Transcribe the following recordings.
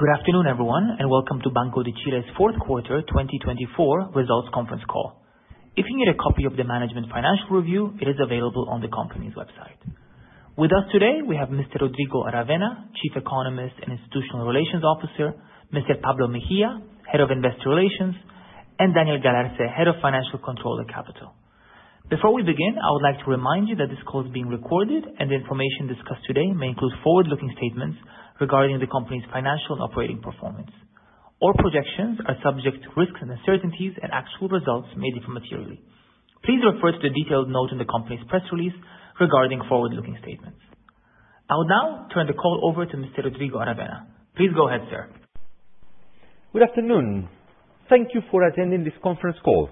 Good afternoon, everyone, and welcome to Banco de Chile's Fourth Quarter 2024 Results Conference Call. If you need a copy of the Management Financial Review, it is available on the company's website. With us today, we have Mr. Rodrigo Aravena, Chief Economist and Institutional Relations Officer; Mr. Pablo Mejia, Head of Investor Relations; and Daniel Galarce, Head of Financial Control at Banco de Chile. Before we begin, I would like to remind you that this call is being recorded, and the information discussed today may include forward-looking statements regarding the company's financial and operating performance. All projections are subject to risks and uncertainties, and actual results may differ materially. Please refer to the detailed note in the company's press release regarding forward-looking statements. I will now turn the call over to Mr. Rodrigo Aravena. Please go ahead, sir. Good afternoon. Thank you for attending this conference call.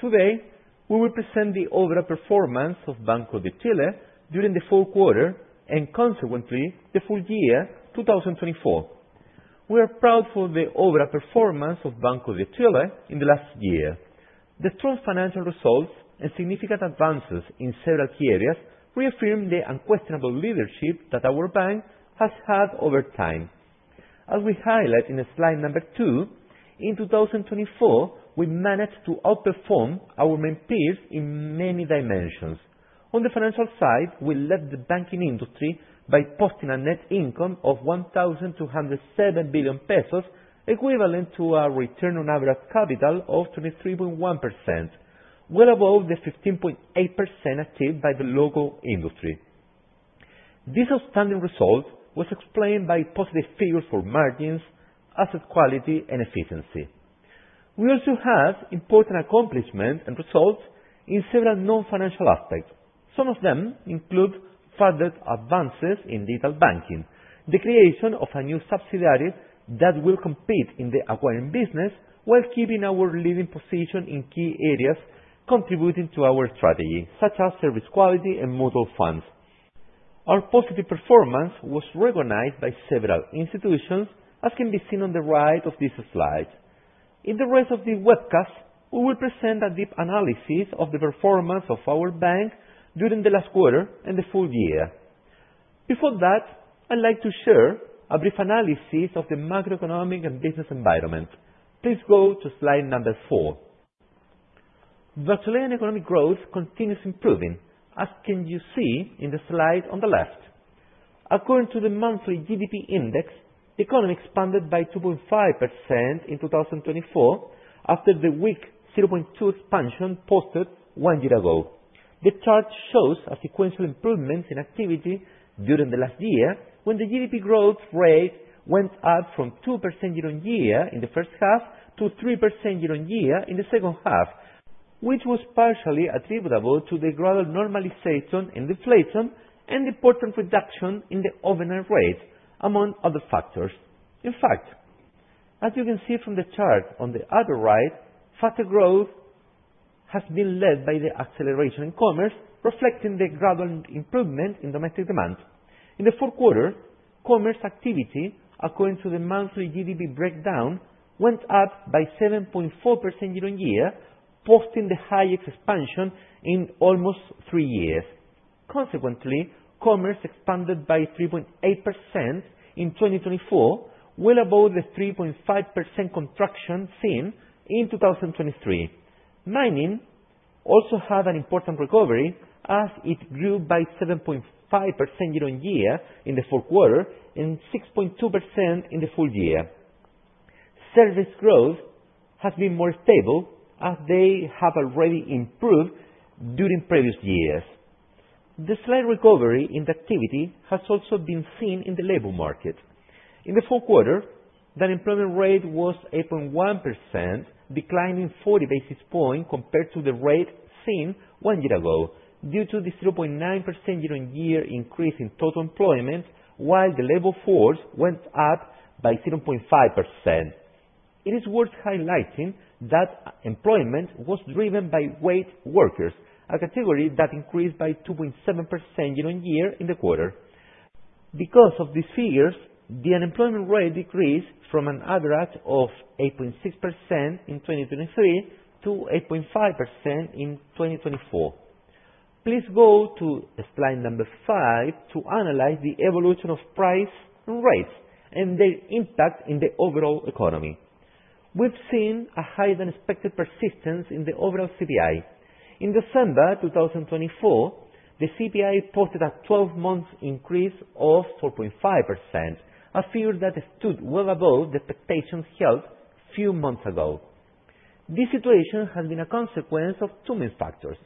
Today, we will present the overall performance of Banco de Chile during the fourth quarter and, consequently, the full year 2024. We are proud of the overall performance of Banco de Chile in the last year. The strong financial results and significant advances in several key areas reaffirm the unquestionable leadership that our bank has had over time. As we highlight in slide number two, in 2024, we managed to outperform our main peers in many dimensions. On the financial side, we led the banking industry by posting a net income of 1,207 billion pesos, equivalent to a return on average capital of 23.1%, well above the 15.8% achieved by the local industry. This outstanding result was explained by positive figures for margins, asset quality, and efficiency. We also have important accomplishments and results in several non-financial aspects. Some of them include further advances in digital banking, the creation of a new subsidiary that will compete in the acquiring business while keeping our leading position in key areas contributing to our strategy, such as service quality and mutual funds. Our positive performance was recognized by several institutions, as can be seen on the right of this slide. In the rest of the webcast, we will present a deep analysis of the performance of our bank during the last quarter and the full year. Before that, I'd like to share a brief analysis of the macroeconomic and business environment. Please go to slide number four. The Chilean economic growth continues improving, as you can see in the slide on the left. According to the monthly GDP index, the economy expanded by 2.5% in 2024 after the weak 0.2% expansion posted one year ago. The chart shows a sequential improvement in activity during the last year when the GDP growth rate went up from 2% year-on-year in the first half to 3% year-on-year in the second half, which was partially attributable to the gradual normalization in deflation and the important reduction in the overnight rate, among other factors. In fact, as you can see from the chart on the other right, faster growth has been led by the acceleration in commerce, reflecting the gradual improvement in domestic demand. In the fourth quarter, commerce activity, according to the monthly GDP breakdown, went up by 7.4% year-on-year, posting the highest expansion in almost three years. Consequently, commerce expanded by 3.8% in 2024, well above the 3.5% contraction seen in 2023. Mining also had an important recovery, as it grew by 7.5% year-on-year in the fourth quarter and 6.2% in the full year. Service growth has been more stable, as they have already improved during previous years. The slight recovery in the activity has also been seen in the labor market. In the fourth quarter, the unemployment rate was 8.1%, declining 40 basis points compared to the rate seen one year ago due to the 0.9% year-on-year increase in total employment, while the labor force went up by 0.5%. It is worth highlighting that employment was driven by wage workers, a category that increased by 2.7% year-on-year in the quarter. Because of these figures, the unemployment rate decreased from an average of 8.6% in 2023 to 8.5% in 2024. Please go to slide number five to analyze the evolution of price and rates and their impact in the overall economy. We've seen a higher-than-expected persistence in the overall CPI. In December 2024, the CPI posted a 12-month increase of 4.5%, a figure that stood well above the expectations held a few months ago. This situation has been a consequence of two main factors.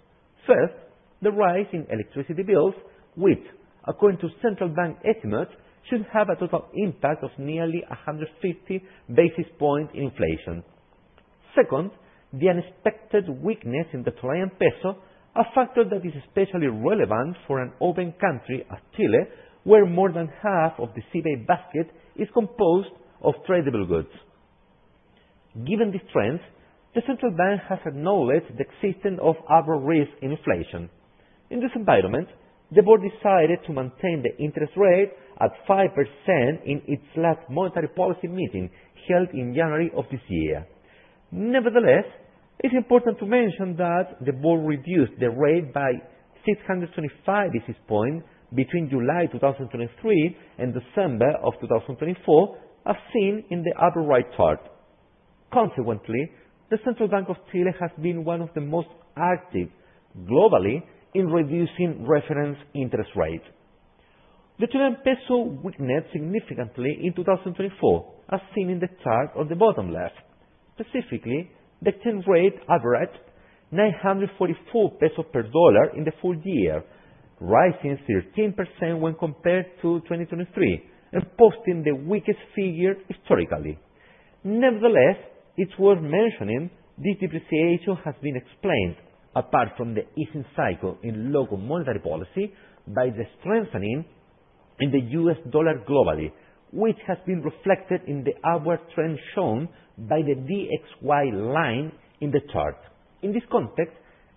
First, the rise in electricity bills, which, according to Central Bank estimates, should have a total impact of nearly 150 basis points in inflation. Second, the unexpected weakness in the Chilean peso, a factor that is especially relevant for an open country as Chile, where more than half of the CPI basket is composed of tradable goods. Given these trends, the Central Bank has acknowledged the existence of upward risk in inflation. In this environment, the board decided to maintain the interest rate at 5% in its last monetary policy meeting held in January of this year. Nevertheless, it's important to mention that the board reduced the rate by 625 basis points between July 2023 and December of 2024, as seen in the upper right chart. Consequently, the Central Bank of Chile has been one of the most active globally in reducing reference interest rates. The Chilean peso weakened significantly in 2024, as seen in the chart on the bottom left. Specifically, the exchange rate averaged 944 pesos per dollar in the full year, rising 13% when compared to 2023 and posting the weakest figure historically. Nevertheless, it's worth mentioning this depreciation has been explained, apart from the easing cycle in local monetary policy, by the strengthening in the U.S. dollar globally, which has been reflected in the upward trend shown by the DXY line in the chart. In this context,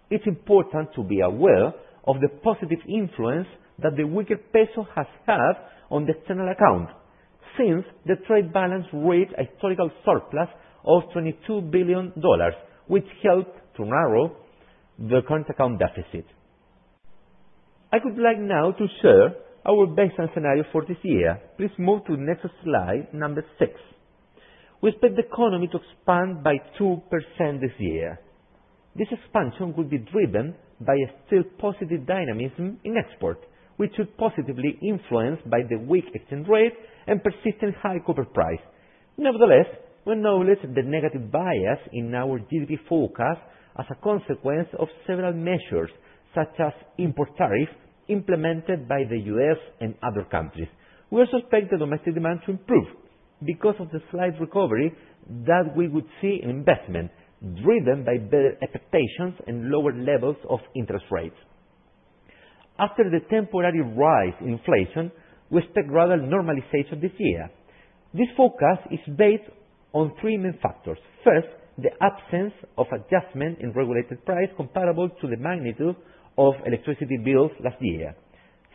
it's important to be aware of the positive influence that the weaker peso has had on the external account, since the trade balance reached a historical surplus of $22 billion, which helped to narrow the current account deficit. I would like now to share our baseline scenario for this year. Please move to the next slide, number six. We expect the economy to expand by 2% this year. This expansion will be driven by a still positive dynamism in export, which should be positively influenced by the weak exchange rate and persistent high copper price. Nevertheless, we acknowledge the negative bias in our GDP forecast as a consequence of several measures, such as import tariffs implemented by the U.S. and other countries. We also expect the domestic demand to improve because of the slight recovery that we would see in investment, driven by better expectations and lower levels of interest rates. After the temporary rise in inflation, we expect gradual normalization this year. This forecast is based on three main factors. First, the absence of adjustment in regulated price comparable to the magnitude of electricity bills last year.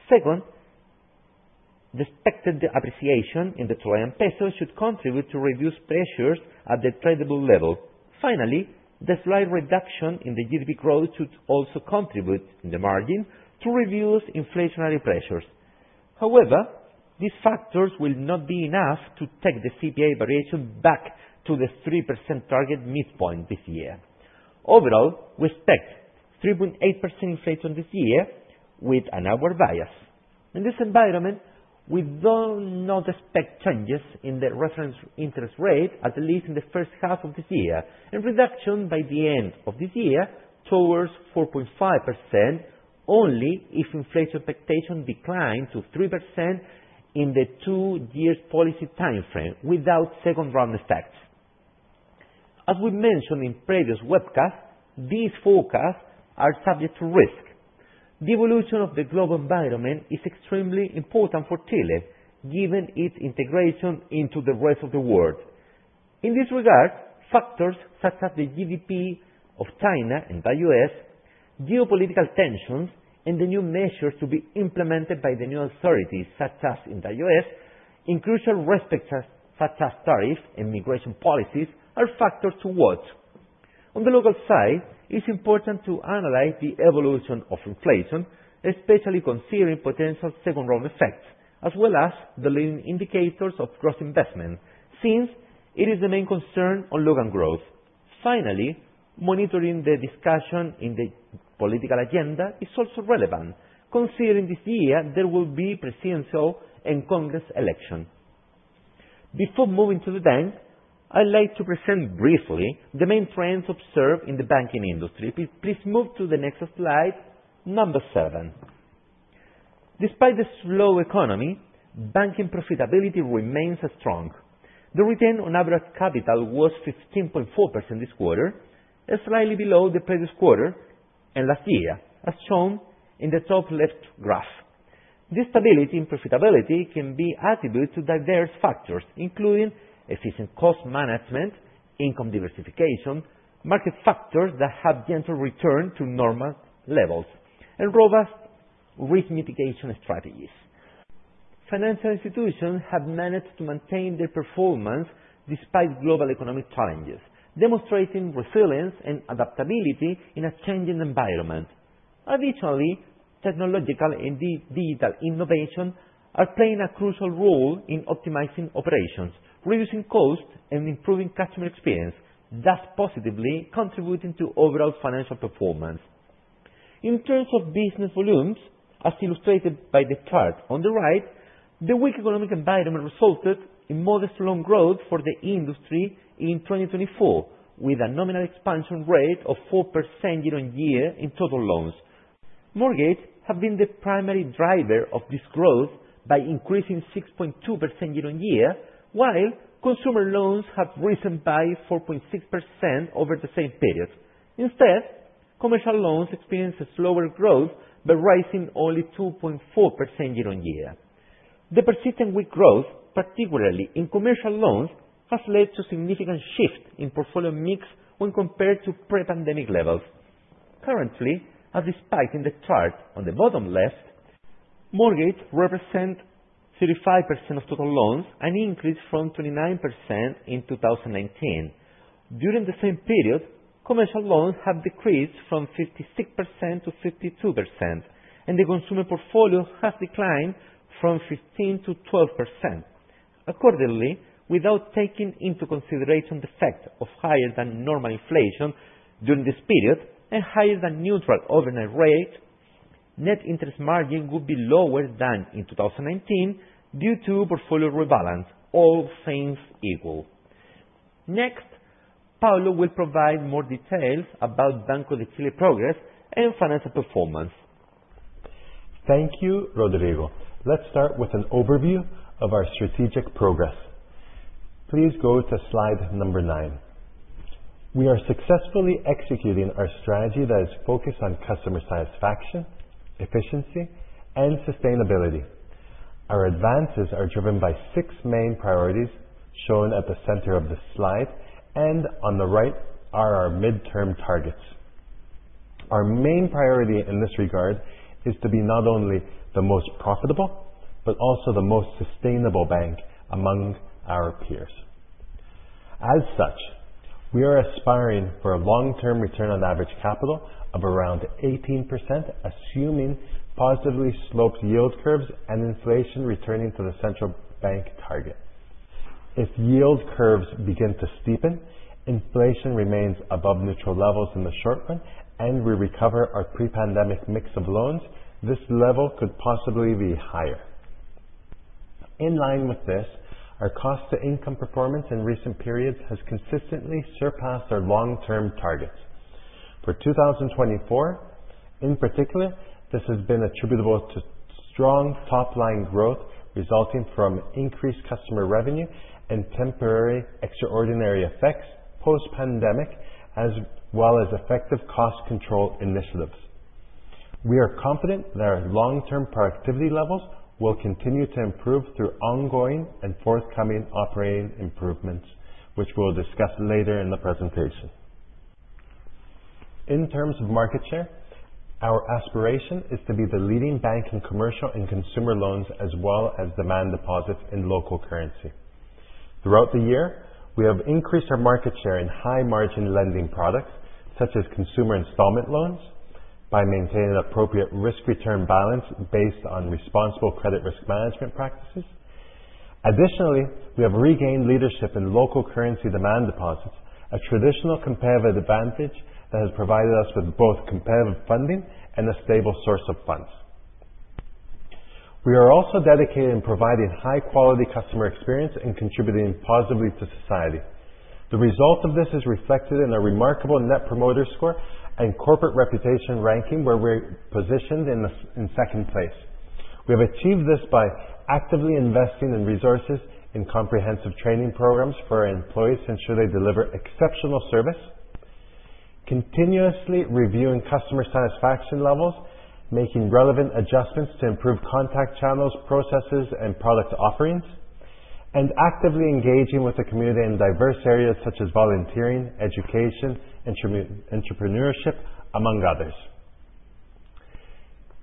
Second, the expected appreciation in the Chilean peso should contribute to reduced pressures at the tradable level. Finally, the slight reduction in the GDP growth should also contribute in the margin to reduce inflationary pressures. However, these factors will not be enough to take the CPI variation back to the 3% target midpoint this year. Overall, we expect 3.8% inflation this year with an upward bias. In this environment, we do not expect changes in the reference interest rate, at least in the first half of this year, and reduction by the end of this year towards 4.5% only if inflation expectations decline to 3% in the two-year policy timeframe without second-round effects. As we mentioned in previous webcasts, these forecasts are subject to risk. The evolution of the global environment is extremely important for Chile, given its integration into the rest of the world. In this regard, factors such as the GDP of China and the U.S., geopolitical tensions, and the new measures to be implemented by the new authorities, such as in the U.S., in crucial respects such as tariffs and migration policies, are factors to watch. On the local side, it's important to analyze the evolution of inflation, especially considering potential second-round effects, as well as the leading indicators of gross investment, since it is the main concern on local growth. Finally, monitoring the discussion in the political agenda is also relevant, considering this year there will be presidential and Congress elections. Before moving to the bank, I'd like to present briefly the main trends observed in the banking industry. Please move to the next slide, number seven. Despite the slow economy, banking profitability remains strong. The return on average capital was 15.4% this quarter, slightly below the previous quarter and last year, as shown in the top-left graph. This stability in profitability can be attributed to diverse factors, including efficient cost management, income diversification, market factors that have gently returned to normal levels, and robust risk mitigation strategies. Financial institutions have managed to maintain their performance despite global economic challenges, demonstrating resilience and adaptability in a changing environment. Additionally, technological and digital innovation are playing a crucial role in optimizing operations, reducing costs, and improving customer experience, thus positively contributing to overall financial performance. In terms of business volumes, as illustrated by the chart on the right, the weak economic environment resulted in modest loan growth for the industry in 2024, with a nominal expansion rate of 4% year-on-year in total loans. Mortgages have been the primary driver of this growth by increasing 6.2% year-on-year, while consumer loans have risen by 4.6% over the same period. Instead, commercial loans experienced a slower growth by rising only 2.4% year-on-year. The persistent weak growth, particularly in commercial loans, has led to a significant shift in portfolio mix when compared to pre-pandemic levels. Currently, as depicted in the chart on the bottom left, mortgages represent 35% of total loans, an increase from 29% in 2019. During the same period, commercial loans have decreased from 56% to 52%, and the consumer portfolio has declined from 15% to 12%. Accordingly, without taking into consideration the fact of higher-than-normal inflation during this period and higher-than-neutral overnight rate, net interest margin would be lower than in 2019 due to portfolio rebalance, all things equal. Next, Pablo will provide more details about Banco de Chile's progress and financial performance. Thank you, Rodrigo. Let's start with an overview of our strategic progress. Please go to slide number nine. We are successfully executing our strategy that is focused on customer satisfaction, efficiency, and sustainability. Our advances are driven by six main priorities shown at the center of the slide, and on the right are our midterm targets. Our main priority in this regard is to be not only the most profitable, but also the most sustainable bank among our peers. As such, we are aspiring for a long-term Return on Average Capital of around 18%, assuming positively sloped yield curves and inflation returning to the Central Bank target. If yield curves begin to steepen, inflation remains above neutral levels in the short run, and we recover our pre-pandemic mix of loans, this level could possibly be higher. In line with this, our cost-to-income performance in recent periods has consistently surpassed our long-term targets. For 2024, in particular, this has been attributable to strong top-line growth resulting from increased customer revenue and temporary extraordinary effects post-pandemic, as well as effective cost control initiatives. We are confident that our long-term productivity levels will continue to improve through ongoing and forthcoming operating improvements, which we'll discuss later in the presentation. In terms of market share, our aspiration is to be the leading bank in commercial and consumer loans, as well as demand deposits in local currency. Throughout the year, we have increased our market share in high-margin lending products, such as consumer installment loans, by maintaining an appropriate risk-return balance based on responsible credit risk management practices. Additionally, we have regained leadership in local currency demand deposits, a traditional competitive advantage that has provided us with both competitive funding and a stable source of funds. We are also dedicated in providing high-quality customer experience and contributing positively to society. The result of this is reflected in a remarkable Net Promoter Score and corporate reputation ranking, where we're positioned in second place. We have achieved this by actively investing in resources, in comprehensive training programs for our employees to ensure they deliver exceptional service, continuously reviewing customer satisfaction levels, making relevant adjustments to improve contact channels, processes, and product offerings, and actively engaging with the community in diverse areas such as volunteering, education, and entrepreneurship, among others.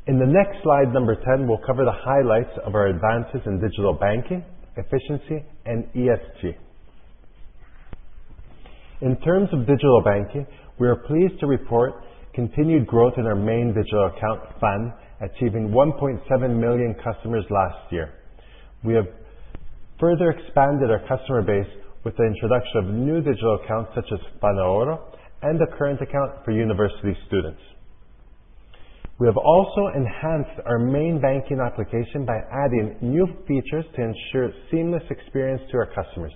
In the next slide, number 10, we'll cover the highlights of our advances in digital banking, efficiency, and ESG. In terms of digital banking, we are pleased to report continued growth in our main digital account, FAN, achieving 1.7 million customers last year. We have further expanded our customer base with the introduction of new digital accounts such as FAN Aurora and the current account for university students. We have also enhanced our main banking application by adding new features to ensure seamless experience to our customers.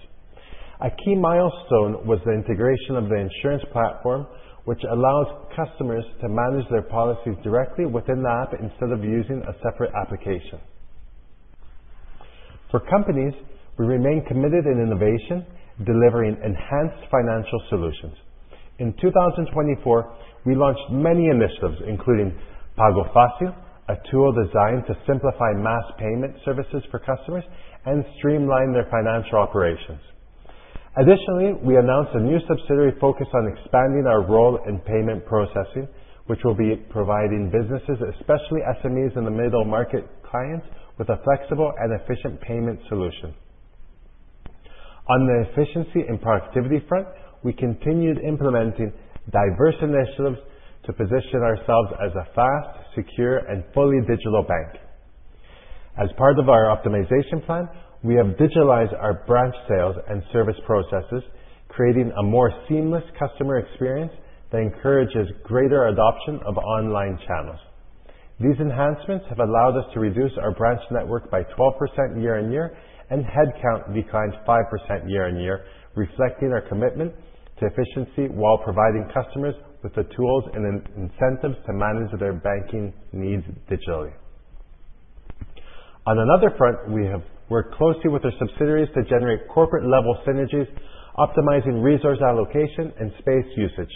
A key milestone was the integration of the insurance platform, which allows customers to manage their policies directly within the app instead of using a separate application. For companies, we remain committed in innovation, delivering enhanced financial solutions. In 2024, we launched many initiatives, including Pago Fácil, a tool designed to simplify mass payment services for customers and streamline their financial operations. Additionally, we announced a new subsidiary focused on expanding our role in payment processing, which will be providing businesses, especially SMEs and the middle market clients, with a flexible and efficient payment solution. On the efficiency and productivity front, we continued implementing diverse initiatives to position ourselves as a fast, secure, and fully digital bank. As part of our optimization plan, we have digitalized our branch sales and service processes, creating a more seamless customer experience that encourages greater adoption of online channels. These enhancements have allowed us to reduce our branch network by 12% year-on-year, and headcount declined 5% year-on-year, reflecting our commitment to efficiency while providing customers with the tools and incentives to manage their banking needs digitally. On another front, we have worked closely with our subsidiaries to generate corporate-level synergies, optimizing resource allocation and space usage.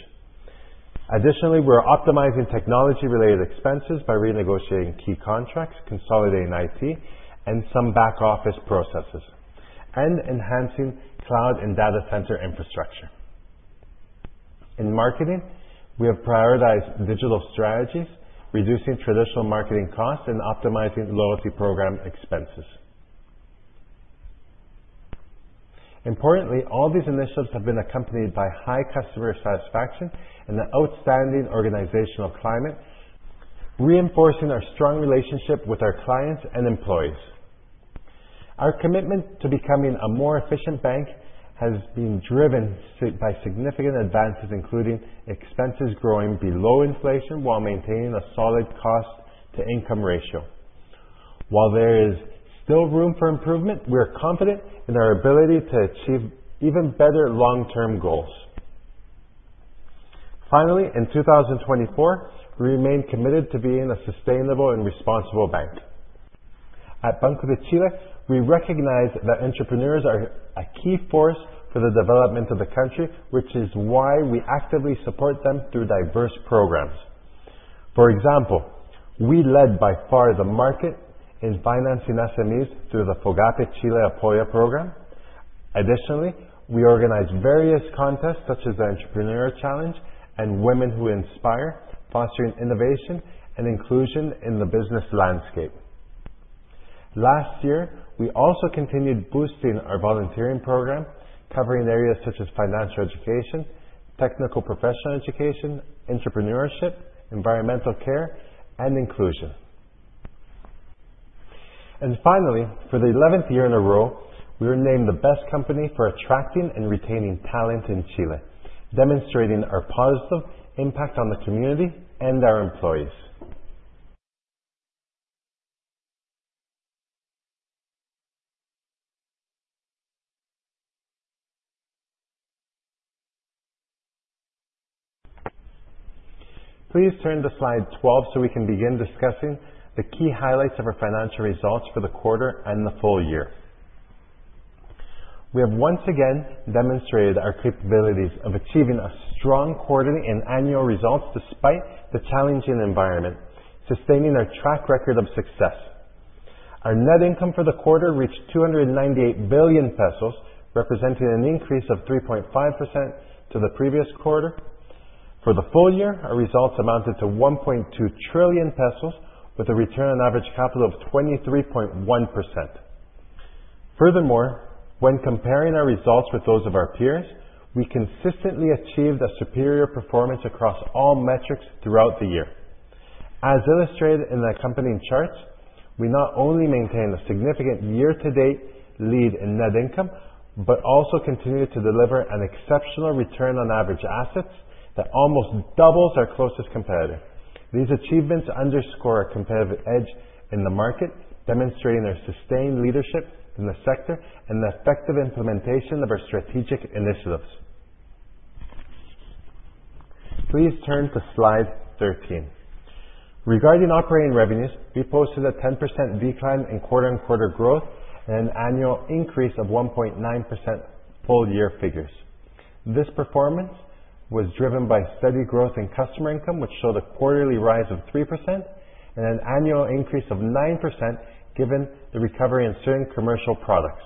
Additionally, we're optimizing technology-related expenses by renegotiating key contracts, consolidating IT, and some back-office processes, and enhancing cloud and data center infrastructure. In marketing, we have prioritized digital strategies, reducing traditional marketing costs and optimizing loyalty program expenses. Importantly, all these initiatives have been accompanied by high customer satisfaction and an outstanding organizational climate, reinforcing our strong relationship with our clients and employees. Our commitment to becoming a more efficient bank has been driven by significant advances, including expenses growing below inflation while maintaining a solid cost-to-income ratio. While there is still room for improvement, we are confident in our ability to achieve even better long-term goals. Finally, in 2024, we remain committed to being a sustainable and responsible bank. At Banco de Chile, we recognize that entrepreneurs are a key force for the development of the country, which is why we actively support them through diverse programs. For example, we led by far the market in financing SMEs through the FOGAPE Chile Apoya Program. Additionally, we organize various contests such as the Entrepreneur Challenge and Women Who Inspire, fostering innovation and inclusion in the business landscape. Last year, we also continued boosting our volunteering program, covering areas such as financial education, technical professional education, entrepreneurship, environmental care, and inclusion. Finally, for the 11th year in a row, we were named the Best Company for Attracting and Retaining Talent in Chile, demonstrating our positive impact on the community and our employees. Please turn to slide 12 so we can begin discussing the key highlights of our financial results for the quarter and the full year. We have once again demonstrated our capabilities of achieving a strong quarterly and annual results despite the challenging environment, sustaining our track record of success. Our net income for the quarter reached 298 billion pesos, representing an increase of 3.5% to the previous quarter. For the full year, our results amounted to 1.2 trillion pesos, with a return on average capital of 23.1%. Furthermore, when comparing our results with those of our peers, we consistently achieved a superior performance across all metrics throughout the year. As illustrated in the accompanying charts, we not only maintain a significant year-to-date lead in net income, but also continue to deliver an exceptional return on average assets that almost doubles our closest competitor. These achievements underscore our competitive edge in the market, demonstrating our sustained leadership in the sector and the effective implementation of our strategic initiatives. Please turn to slide 13. Regarding operating revenues, we posted a 10% decline in quarter-on-quarter growth and an annual increase of 1.9% full-year figures. This performance was driven by steady growth in customer income, which showed a quarterly rise of 3% and an annual increase of 9% given the recovery in certain commercial products.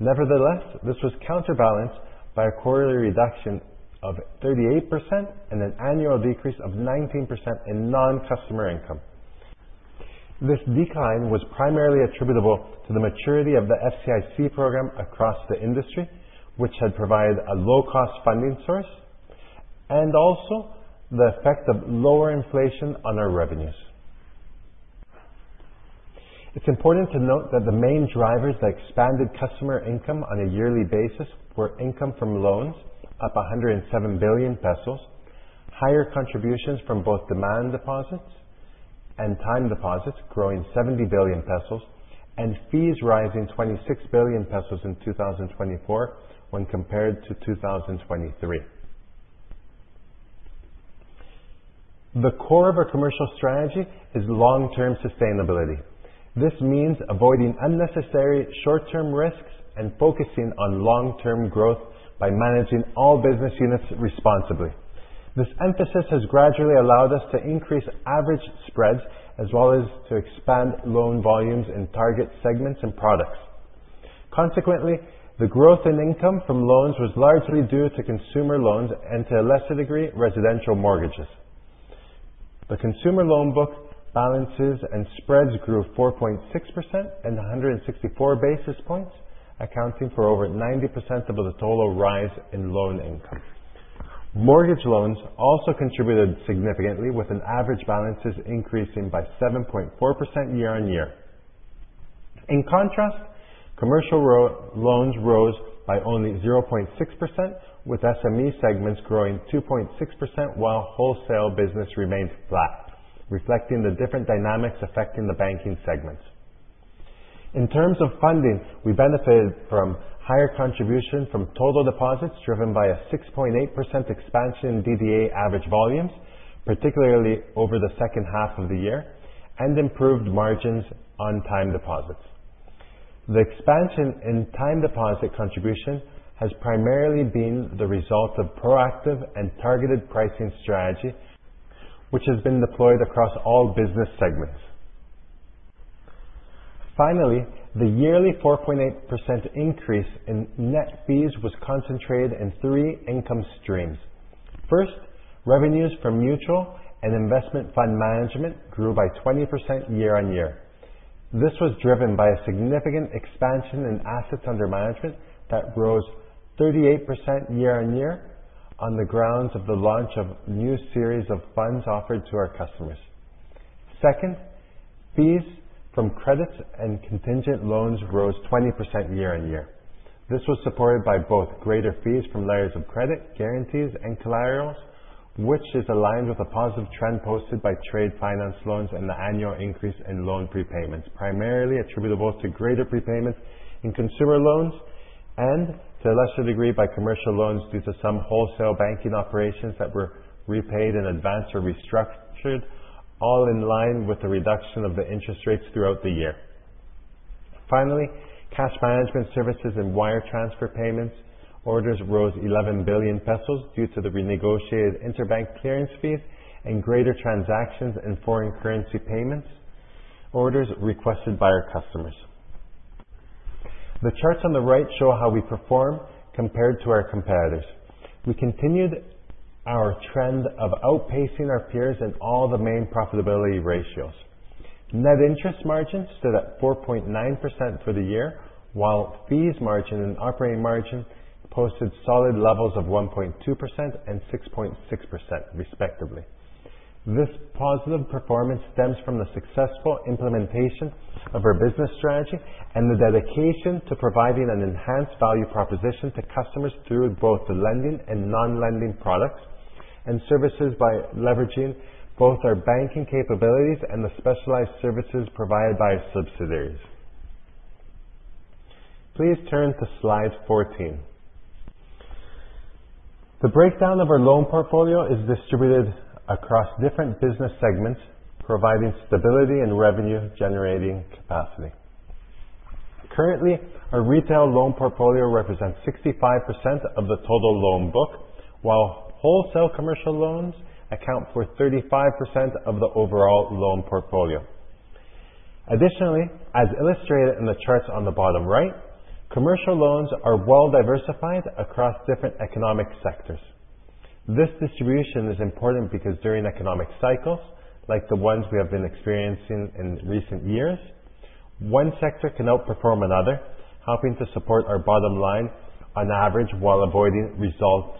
Nevertheless, this was counterbalanced by a quarterly reduction of 38% and an annual decrease of 19% in non-customer income. This decline was primarily attributable to the maturity of the FCIC program across the industry, which had provided a low-cost funding source, and also the effect of lower inflation on our revenues. It's important to note that the main drivers that expanded customer income on a yearly basis were income from loans up 107 billion pesos, higher contributions from both demand deposits and time deposits growing 70 billion pesos, and fees rising 26 billion pesos in 2024 when compared to 2023. The core of our commercial strategy is long-term sustainability. This means avoiding unnecessary short-term risks and focusing on long-term growth by managing all business units responsibly. This emphasis has gradually allowed us to increase average spreads as well as to expand loan volumes in target segments and products. Consequently, the growth in income from loans was largely due to consumer loans and, to a lesser degree, residential mortgages. The consumer loan book balances and spreads grew 4.6% and 164 basis points, accounting for over 90% of the total rise in loan income. Mortgage loans also contributed significantly, with average balances increasing by 7.4% year-on-year. In contrast, commercial loans rose by only 0.6%, with SME segments growing 2.6%, while wholesale business remained flat, reflecting the different dynamics affecting the banking segments. In terms of funding, we benefited from higher contribution from total deposits driven by a 6.8% expansion in DDA average volumes, particularly over the second half of the year, and improved margins on time deposits. The expansion in time deposit contribution has primarily been the result of proactive and targeted pricing strategy, which has been deployed across all business segments. Finally, the yearly 4.8% increase in net fees was concentrated in three income streams. First, revenues from mutual and investment fund management grew by 20% year-on-year. This was driven by a significant expansion in assets under management that rose 38% year-on-year on the grounds of the launch of a new series of funds offered to our customers. Second, fees from credits and contingent loans rose 20% year-on-year. This was supported by both greater fees from layers of credit, guarantees, and collaterals, which is aligned with a positive trend posted by trade finance loans and the annual increase in loan prepayments, primarily attributable to greater prepayments in consumer loans and, to a lesser degree, by commercial loans due to some wholesale banking operations that were repaid in advance or restructured, all in line with the reduction of the interest rates throughout the year. Finally, cash management services and wire transfer payments orders rose 11 billion pesos due to the renegotiated interbank clearance fees and greater transactions in foreign currency payments orders requested by our customers. The charts on the right show how we perform compared to our competitors. We continued our trend of outpacing our peers in all the main profitability ratios. Net interest margin stood at 4.9% for the year, while fees margin and operating margin posted solid levels of 1.2% and 6.6%, respectively. This positive performance stems from the successful implementation of our business strategy and the dedication to providing an enhanced value proposition to customers through both the lending and non-lending products and services by leveraging both our banking capabilities and the specialized services provided by our subsidiaries. Please turn to slide 14. The breakdown of our loan portfolio is distributed across different business segments, providing stability and revenue-generating capacity. Currently, our retail loan portfolio represents 65% of the total loan book, while wholesale commercial loans account for 35% of the overall loan portfolio. Additionally, as illustrated in the charts on the bottom right, commercial loans are well-diversified across different economic sectors. This distribution is important because during economic cycles, like the ones we have been experiencing in recent years, one sector can outperform another, helping to support our bottom line on average while avoiding results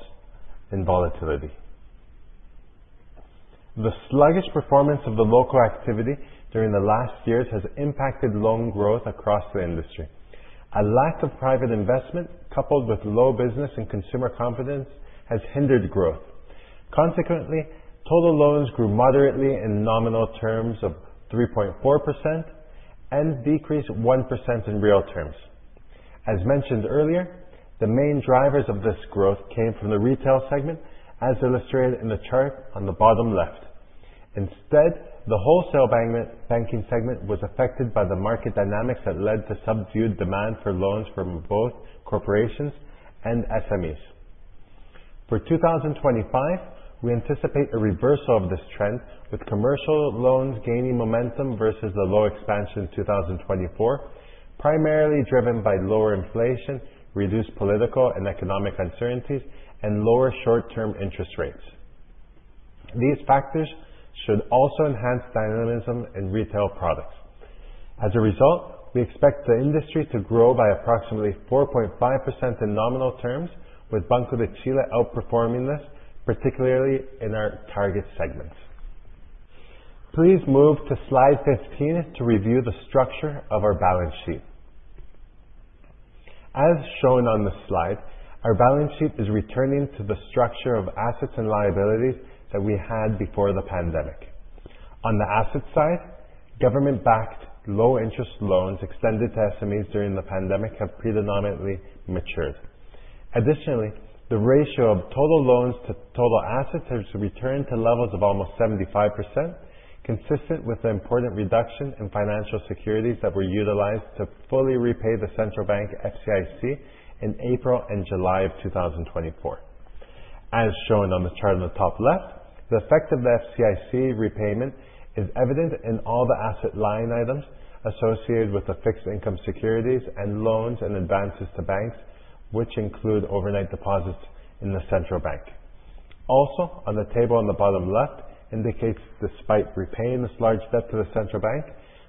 in volatility. The sluggish performance of the local activity during the last years has impacted loan growth across the industry. A lack of private investment, coupled with low business and consumer confidence, has hindered growth. Consequently, total loans grew moderately in nominal terms of 3.4% and decreased 1% in real terms. As mentioned earlier, the main drivers of this growth came from the retail segment, as illustrated in the chart on the bottom left. Instead, the wholesale banking segment was affected by the market dynamics that led to subdued demand for loans from both corporations and SMEs. For 2025, we anticipate a reversal of this trend, with commercial loans gaining momentum versus the low expansion in 2024, primarily driven by lower inflation, reduced political and economic uncertainties, and lower short-term interest rates. These factors should also enhance dynamism in retail products. As a result, we expect the industry to grow by approximately 4.5% in nominal terms, with Banco de Chile outperforming this, particularly in our target segments. Please move to slide 15 to review the structure of our balance sheet. As shown on the slide, our balance sheet is returning to the structure of assets and liabilities that we had before the pandemic. On the asset side, government-backed low-interest loans extended to SMEs during the pandemic have predominantly matured. Additionally, the ratio of total loans to total assets has returned to levels of almost 75%, consistent with the important reduction in financial securities that were utilized to fully repay the Central Bank FCIC in April and July of 2024. As shown on the chart on the top left, the effect of the FCIC repayment is evident in all the asset line items associated with the fixed income securities and loans and advances to banks, which include overnight deposits in the Central Bank. Also, the table on the bottom left indicates that despite repaying this large debt to the Central Bank,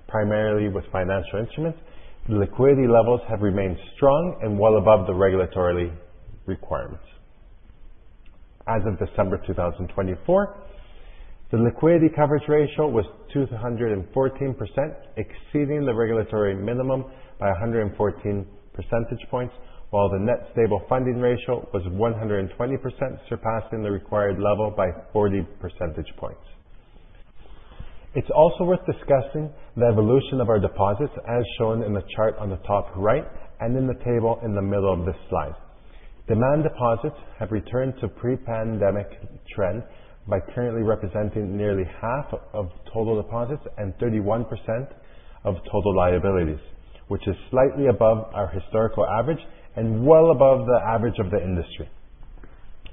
primarily with financial instruments, the liquidity levels have remained strong and well above the regulatory requirements. As of December 2024, the liquidity coverage ratio was 214%, exceeding the regulatory minimum by 114 percentage points, while the net stable funding ratio was 120%, surpassing the required level by 40 percentage points. It's also worth discussing the evolution of our deposits, as shown in the chart on the top right and in the table in the middle of this slide. Demand deposits have returned to pre-pandemic trends by currently representing nearly half of total deposits and 31% of total liabilities, which is slightly above our historical average and well above the average of the industry.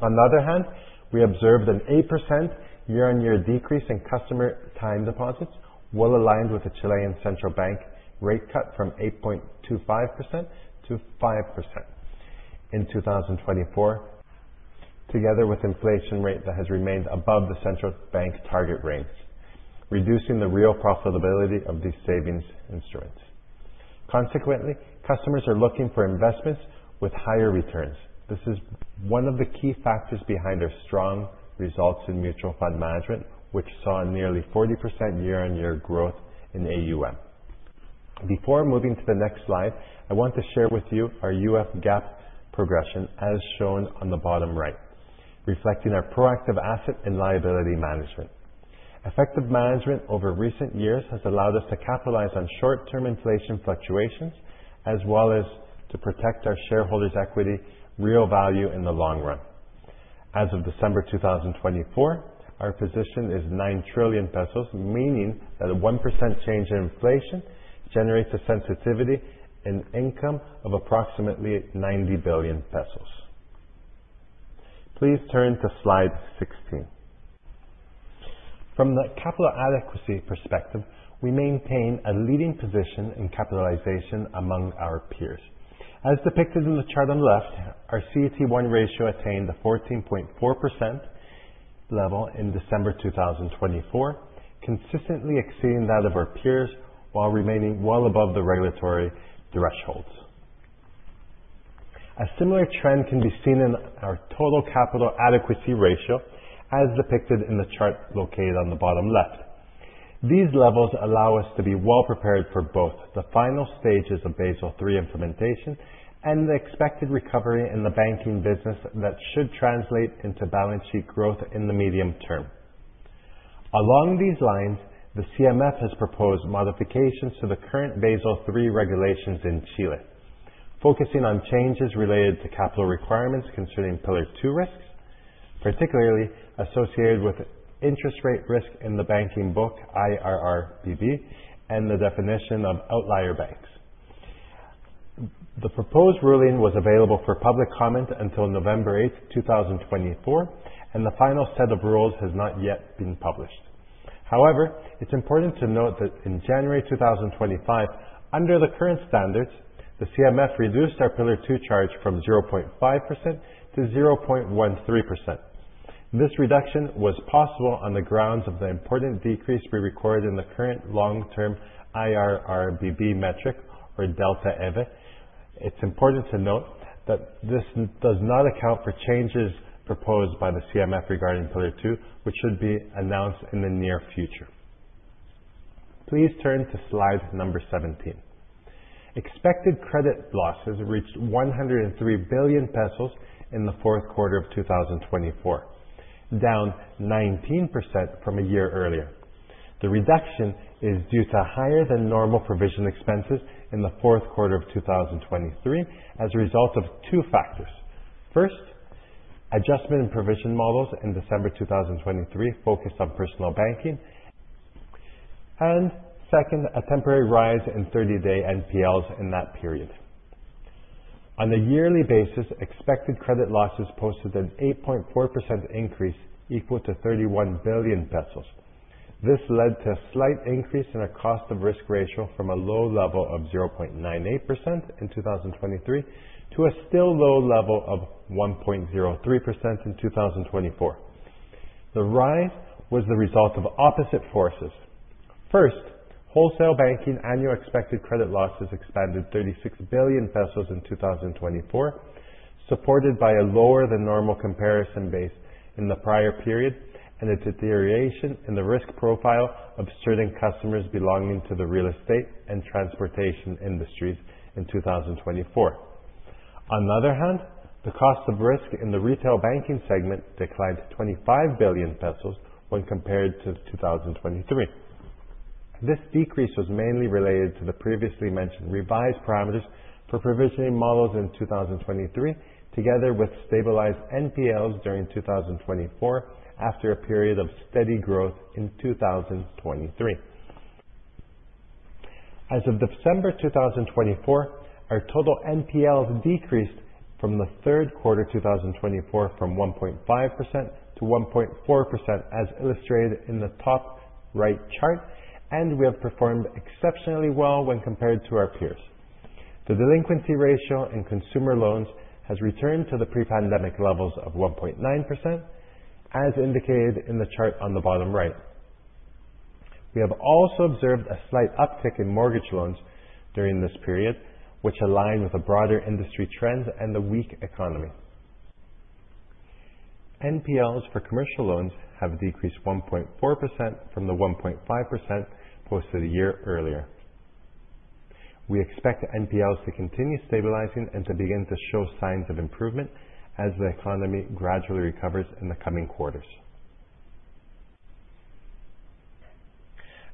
On the other hand, we observed an 8% year-on-year decrease in customer time deposits, well aligned with the Chilean Central Bank rate cut from 8.25%-5% in 2024, together with the inflation rate that has remained above the Central Bank target range, reducing the real profitability of these savings instruments. Consequently, customers are looking for investments with higher returns. This is one of the key factors behind our strong results in mutual fund management, which saw nearly 40% year-on-year growth in AUM. Before moving to the next slide, I want to share with you our UF GAP progression, as shown on the bottom right, reflecting our proactive asset and liability management. Effective management over recent years has allowed us to capitalize on short-term inflation fluctuations as well as to protect our shareholders' equity real value in the long run. As of December 2024, our position is 9 trillion pesos, meaning that a 1% change in inflation generates a sensitivity in income of approximately 90 billion pesos. Please turn to slide 16. From the capital adequacy perspective, we maintain a leading position in capitalization among our peers. As depicted in the chart on the left, our CET1 ratio attained the 14.4% level in December 2024, consistently exceeding that of our peers while remaining well above the regulatory thresholds. A similar trend can be seen in our total capital adequacy ratio, as depicted in the chart located on the bottom left. These levels allow us to be well prepared for both the final stages of Basel III implementation and the expected recovery in the banking business that should translate into balance sheet growth in the medium term. Along these lines, the CMF has proposed modifications to the current Basel III regulations in Chile, focusing on changes related to capital requirements concerning Pillar II risks, particularly associated with interest rate risk in the banking book IRRBB and the definition of outlier banks. The proposed ruling was available for public comment until November 8, 2024, and the final set of rules has not yet been published. However, it's important to note that in January 2025, under the current standards, the CMF reduced our Pillar II charge from 0.5% to 0.13%. This reduction was possible on the grounds of the important decrease we recorded in the current long-term IRRBB metric, or Delta EVE. It's important to note that this does not account for changes proposed by the CMF regarding Pillar II, which should be announced in the near future. Please turn to slide number 17. Expected credit losses reached 103 billion pesos in the fourth quarter of 2024, down 19% from a year earlier. The reduction is due to higher-than-normal provision expenses in the fourth quarter of 2023 as a result of two factors. First, adjustment in provision models in December 2023 focused on personal banking, and second, a temporary rise in 30-day NPLs in that period. On a yearly basis, expected credit losses posted an 8.4% increase equal to 31 billion pesos. This led to a slight increase in our cost of risk ratio from a low level of 0.98% in 2023 to a still low level of 1.03% in 2024. The rise was the result of opposite forces. First, wholesale banking annual expected credit losses expanded 36 billion pesos in 2024, supported by a lower-than-normal comparison base in the prior period and a deterioration in the risk profile of certain customers belonging to the real estate and transportation industries in 2024. On the other hand, the cost of risk in the retail banking segment declined 25 billion pesos when compared to 2023. This decrease was mainly related to the previously mentioned revised parameters for provisioning models in 2023, together with stabilized NPLs during 2024 after a period of steady growth in 2023. As of December 2024, our total NPLs decreased from the third quarter 2024 from 1.5% to 1.4%, as illustrated in the top right chart, and we have performed exceptionally well when compared to our peers. The delinquency ratio in consumer loans has returned to the pre-pandemic levels of 1.9%, as indicated in the chart on the bottom right. We have also observed a slight uptick in mortgage loans during this period, which aligned with the broader industry trends and the weak economy. NPLs for commercial loans have decreased 1.4% from the 1.5% posted a year earlier. We expect NPLs to continue stabilizing and to begin to show signs of improvement as the economy gradually recovers in the coming quarters.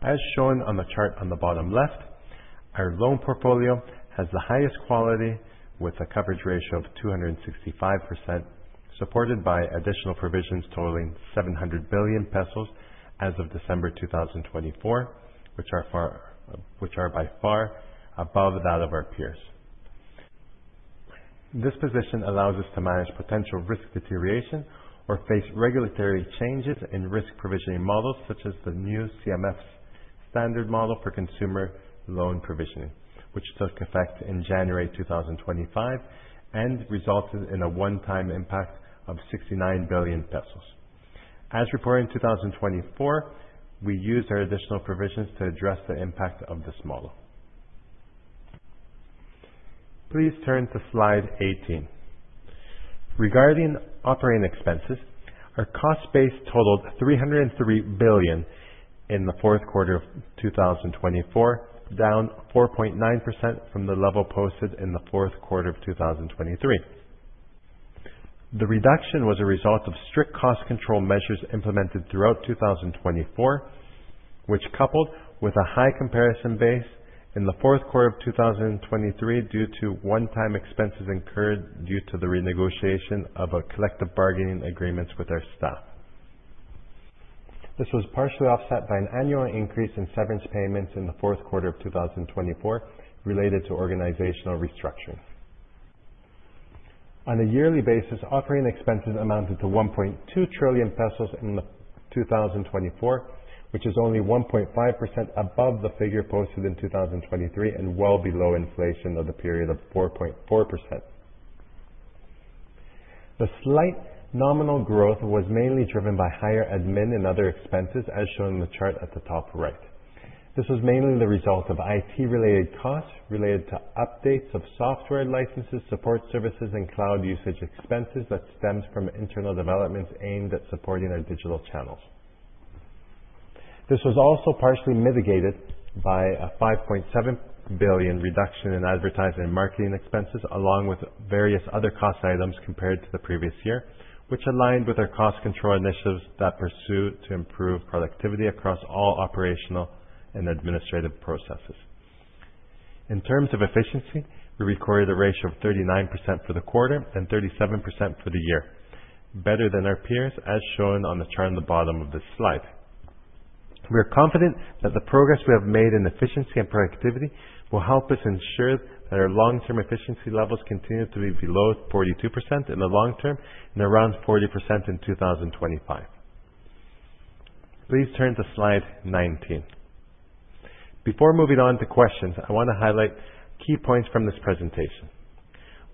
As shown on the chart on the bottom left, our loan portfolio has the highest quality with a coverage ratio of 265%, supported by additional provisions totaling 700 billion pesos as of December 2024, which are by far above that of our peers. This position allows us to manage potential risk deterioration or face regulatory changes in risk provisioning models, such as the new CMF's standard model for consumer loan provisioning, which took effect in January 2025 and resulted in a one-time impact of 69 billion pesos. As reported in 2024, we used our additional provisions to address the impact of this model. Please turn to slide 18. Regarding operating expenses, our cost base totaled 303 billion in the fourth quarter of 2024, down 4.9% from the level posted in the fourth quarter of 2023. The reduction was a result of strict cost control measures implemented throughout 2024, which coupled with a high comparison base in the fourth quarter of 2023 due to one-time expenses incurred due to the renegotiation of our collective bargaining agreements with our staff. This was partially offset by an annual increase in severance payments in the fourth quarter of 2024 related to organizational restructuring. On a yearly basis, operating expenses amounted to 1.2 trillion pesos in 2024, which is only 1.5% above the figure posted in 2023 and well below inflation of the period of 4.4%. The slight nominal growth was mainly driven by higher admin and other expenses, as shown in the chart at the top right. This was mainly the result of IT-related costs related to updates of software licenses, support services, and cloud usage expenses that stem from internal developments aimed at supporting our digital channels. This was also partially mitigated by a 5.7 billion reduction in advertising and marketing expenses, along with various other cost items compared to the previous year, which aligned with our cost control initiatives that pursue to improve productivity across all operational and administrative processes. In terms of efficiency, we recorded a ratio of 39% for the quarter and 37% for the year, better than our peers, as shown on the chart on the bottom of this slide. We are confident that the progress we have made in efficiency and productivity will help us ensure that our long-term efficiency levels continue to be below 42% in the long term and around 40% in 2025. Please turn to slide 19. Before moving on to questions, I want to highlight key points from this presentation.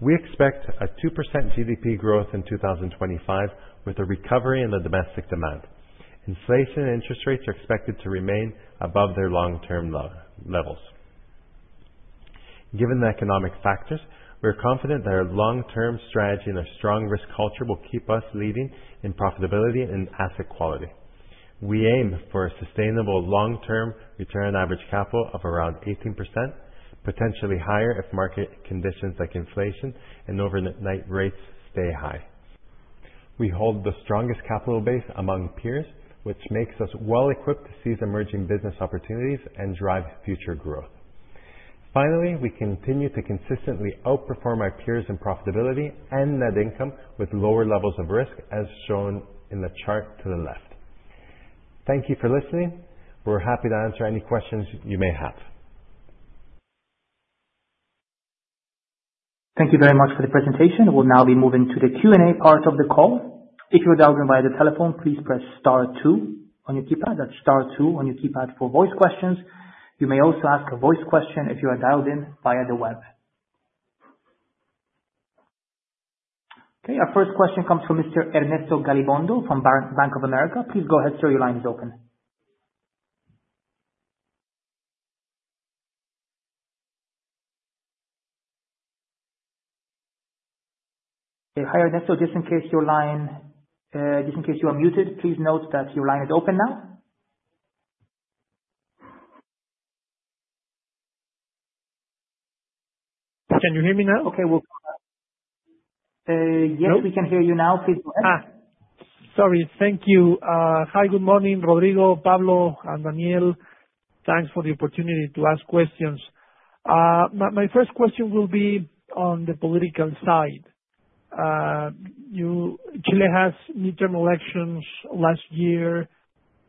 We expect a 2% GDP growth in 2025 with a recovery in the domestic demand. Inflation and interest rates are expected to remain above their long-term levels. Given the economic factors, we are confident that our long-term strategy and our strong risk culture will keep us leading in profitability and asset quality. We aim for a sustainable long-term return on average capital of around 18%, potentially higher if market conditions like inflation and overnight rates stay high. We hold the strongest capital base among peers, which makes us well equipped to seize emerging business opportunities and drive future growth. Finally, we continue to consistently outperform our peers in profitability and net income with lower levels of risk, as shown in the chart to the left. Thank you for listening. We're happy to answer any questions you may have. Thank you very much for the presentation. We'll now be moving to the Q&A part of the call. If you're dialed in via the telephone, please press Star 2 on your keypad. That's Star 2 on your keypad for voice questions. You may also ask a voice question if you are dialed in via the web. Okay, our first question comes from Mr. Ernesto Gabilondo from Bank of America. Please go ahead and turn your lines open. Hi Ernesto, just in case your line, just in case you are muted, please note that your line is open now. Can you hear me now? Okay, we'll come back. Yes, we can hear you now. Please go ahead. Sorry, thank you. Hi, good morning, Rodrigo, Pablo, and Daniel. Thanks for the opportunity to ask questions. My first question will be on the political side. Chile has midterm elections last year.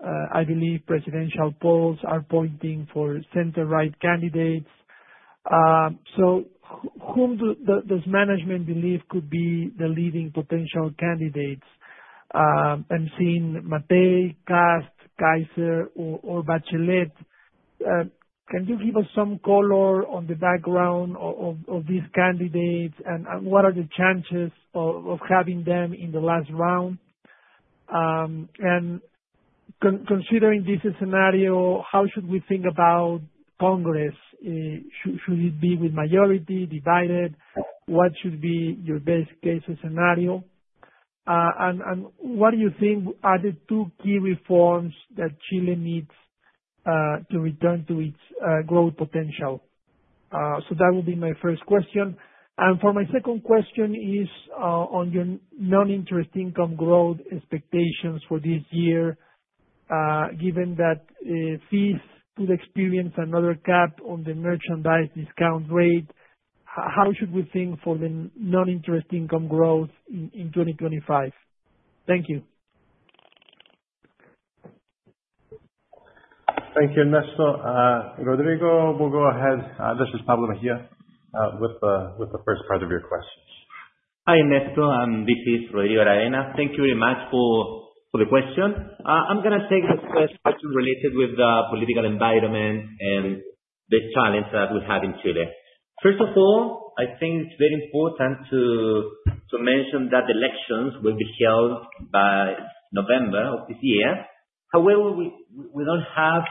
I believe presidential polls are pointing for center-right candidates. So whom does management believe could be the leading potential candidates? I'm seeing Matthei, Kast, Kaiser, or Bachelet. Can you give us some color on the background of these candidates and what are the chances of having them in the last round? And considering this scenario, how should we think about Congress? Should it be with majority, divided? What should be your best-case scenario? And what do you think are the two key reforms that Chile needs to return to its growth potential? So that will be my first question. And for my second question is on your non-interest income growth expectations for this year, given that fees could experience another cap on the merchandise discount rate, how should we think for the non-interest income growth in 2025? Thank you. Thank you, Ernesto. Rodrigo, we'll go ahead. This is Pablo Mejia with the first part of your questions. Hi Ernesto, and this is Rodrigo Aravena. Thank you very much for the question. I'm going to take the question related with the political environment and the challenge that we have in Chile. First of all, I think it's very important to mention that elections will be held by November of this year. However, we don't have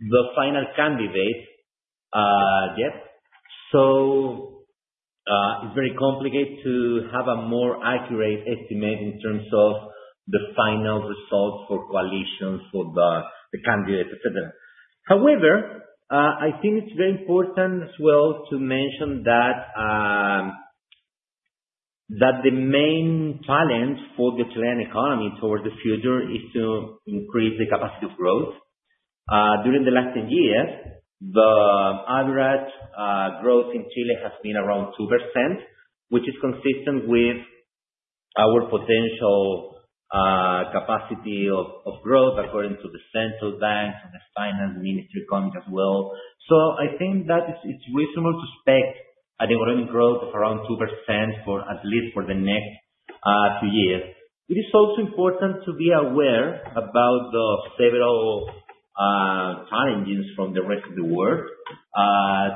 the final candidate yet, so it's very complicated to have a more accurate estimate in terms of the final results for coalitions, for the candidates, etc. However, I think it's very important as well to mention that the main challenge for the Chilean economy towards the future is to increase the capacity of growth. During the last 10 years, the average growth in Chile has been around 2%, which is consistent with our potential capacity of growth according to the Central Bank and the Finance Ministry coming as well. So I think that it's reasonable to expect an economic growth of around 2% for at least the next few years. It is also important to be aware about the several challenges from the rest of the world.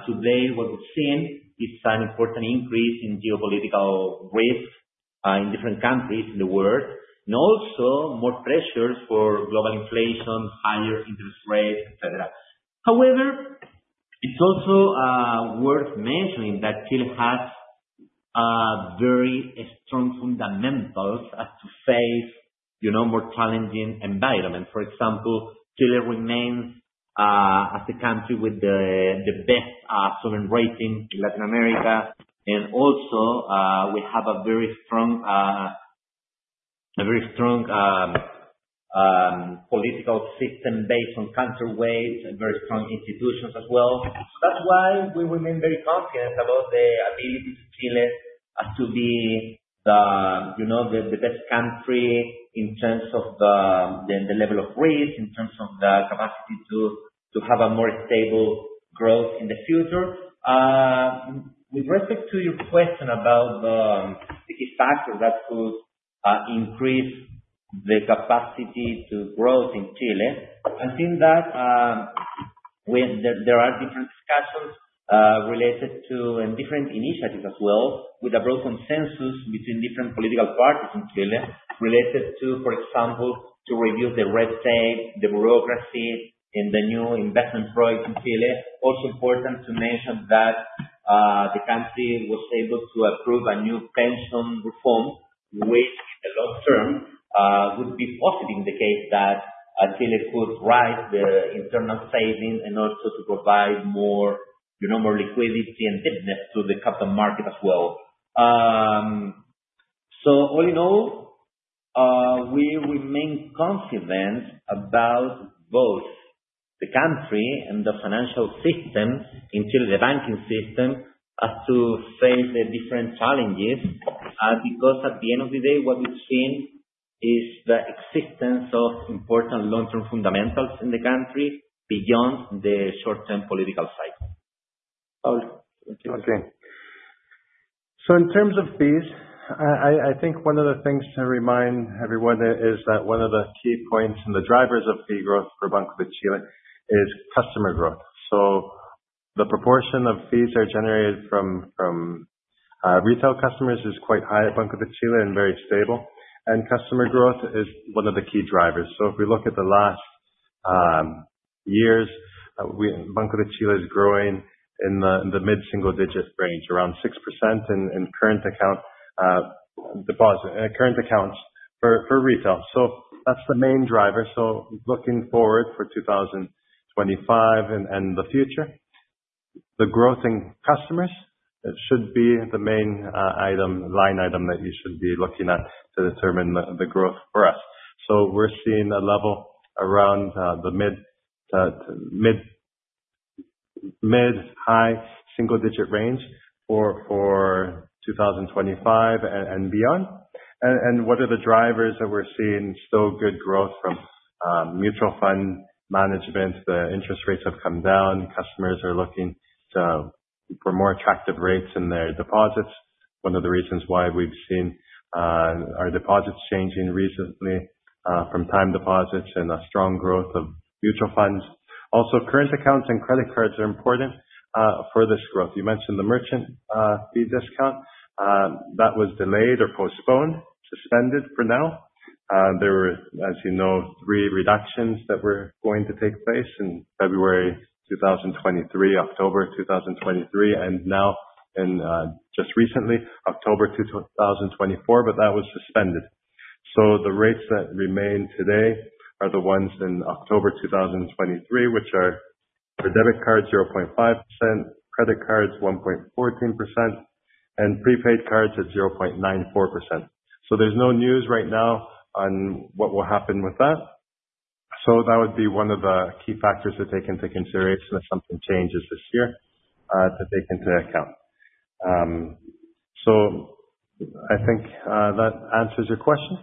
Today, what we've seen is an important increase in geopolitical risk in different countries in the world, and also more pressures for global inflation, higher interest rates, etc. However, it's also worth mentioning that Chile has very strong fundamentals to face more challenging environments. For example, Chile remains the country with the best sovereign rating in Latin America, and also we have a very strong political system based on counterweights and very strong institutions as well. That's why we remain very confident about the ability of Chile to be the best country in terms of the level of risk, in terms of the capacity to have a more stable growth in the future. With respect to your question about the key factors that could increase the capacity to grow in Chile, I think that there are different discussions related to and different initiatives as well with a broad consensus between different political parties in Chile related to, for example, to reduce the red tape, the bureaucracy, and the new investment projects in Chile. Also important to mention that the country was able to approve a new pension reform, which in the long term would be positive in the case that Chile could raise the internal savings in order to provide more liquidity and business to the capital market as well. So all in all, we remain confident about both the country and the financial system in Chile, the banking system, as to face the different challenges because at the end of the day, what we've seen is the existence of important long-term fundamentals in the country beyond the short-term political cycle. Okay. So in terms of fees, I think one of the things to remind everyone is that one of the key points and the drivers of fee growth for Banco de Chile is customer growth. So the proportion of fees that are generated from retail customers is quite high at Banco de Chile and very stable, and customer growth is one of the key drivers, so if we look at the last years, Banco de Chile is growing in the mid-single-digit range, around 6% in current accounts for retail, so that's the main driver. Looking forward for 2025 and the future, the growth in customers should be the main line item that you should be looking at to determine the growth for us. We're seeing a level around the mid-high single-digit range for 2025 and beyond. What are the drivers that we're seeing? Still good growth from mutual fund management. The interest rates have come down. Customers are looking for more attractive rates in their deposits. One of the reasons why we've seen our deposits changing recently from time deposits and a strong growth of mutual funds. Also, current accounts and credit cards are important for this growth. You mentioned the merchant fee discount. That was delayed or postponed, suspended for now. There were, as you know, three reductions that were going to take place in February 2023, October 2023, and now just recently, October 2024, but that was suspended. The rates that remain today are the ones in October 2023, which are for debit cards, 0.5%, credit cards, 1.14%, and prepaid cards at 0.94%. There's no news right now on what will happen with that. That would be one of the key factors to take into consideration if something changes this year to take into account. I think that answers your question.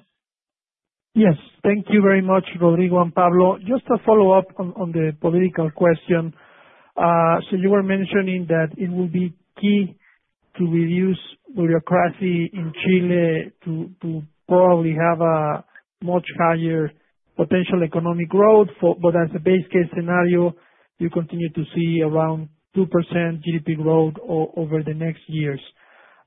Yes. Thank you very much, Rodrigo and Pablo. Just to follow up on the political question, you were mentioning that it will be key to reduce bureaucracy in Chile to probably have a much higher potential economic growth, but as a best-case scenario, you continue to see around 2% GDP growth over the next years.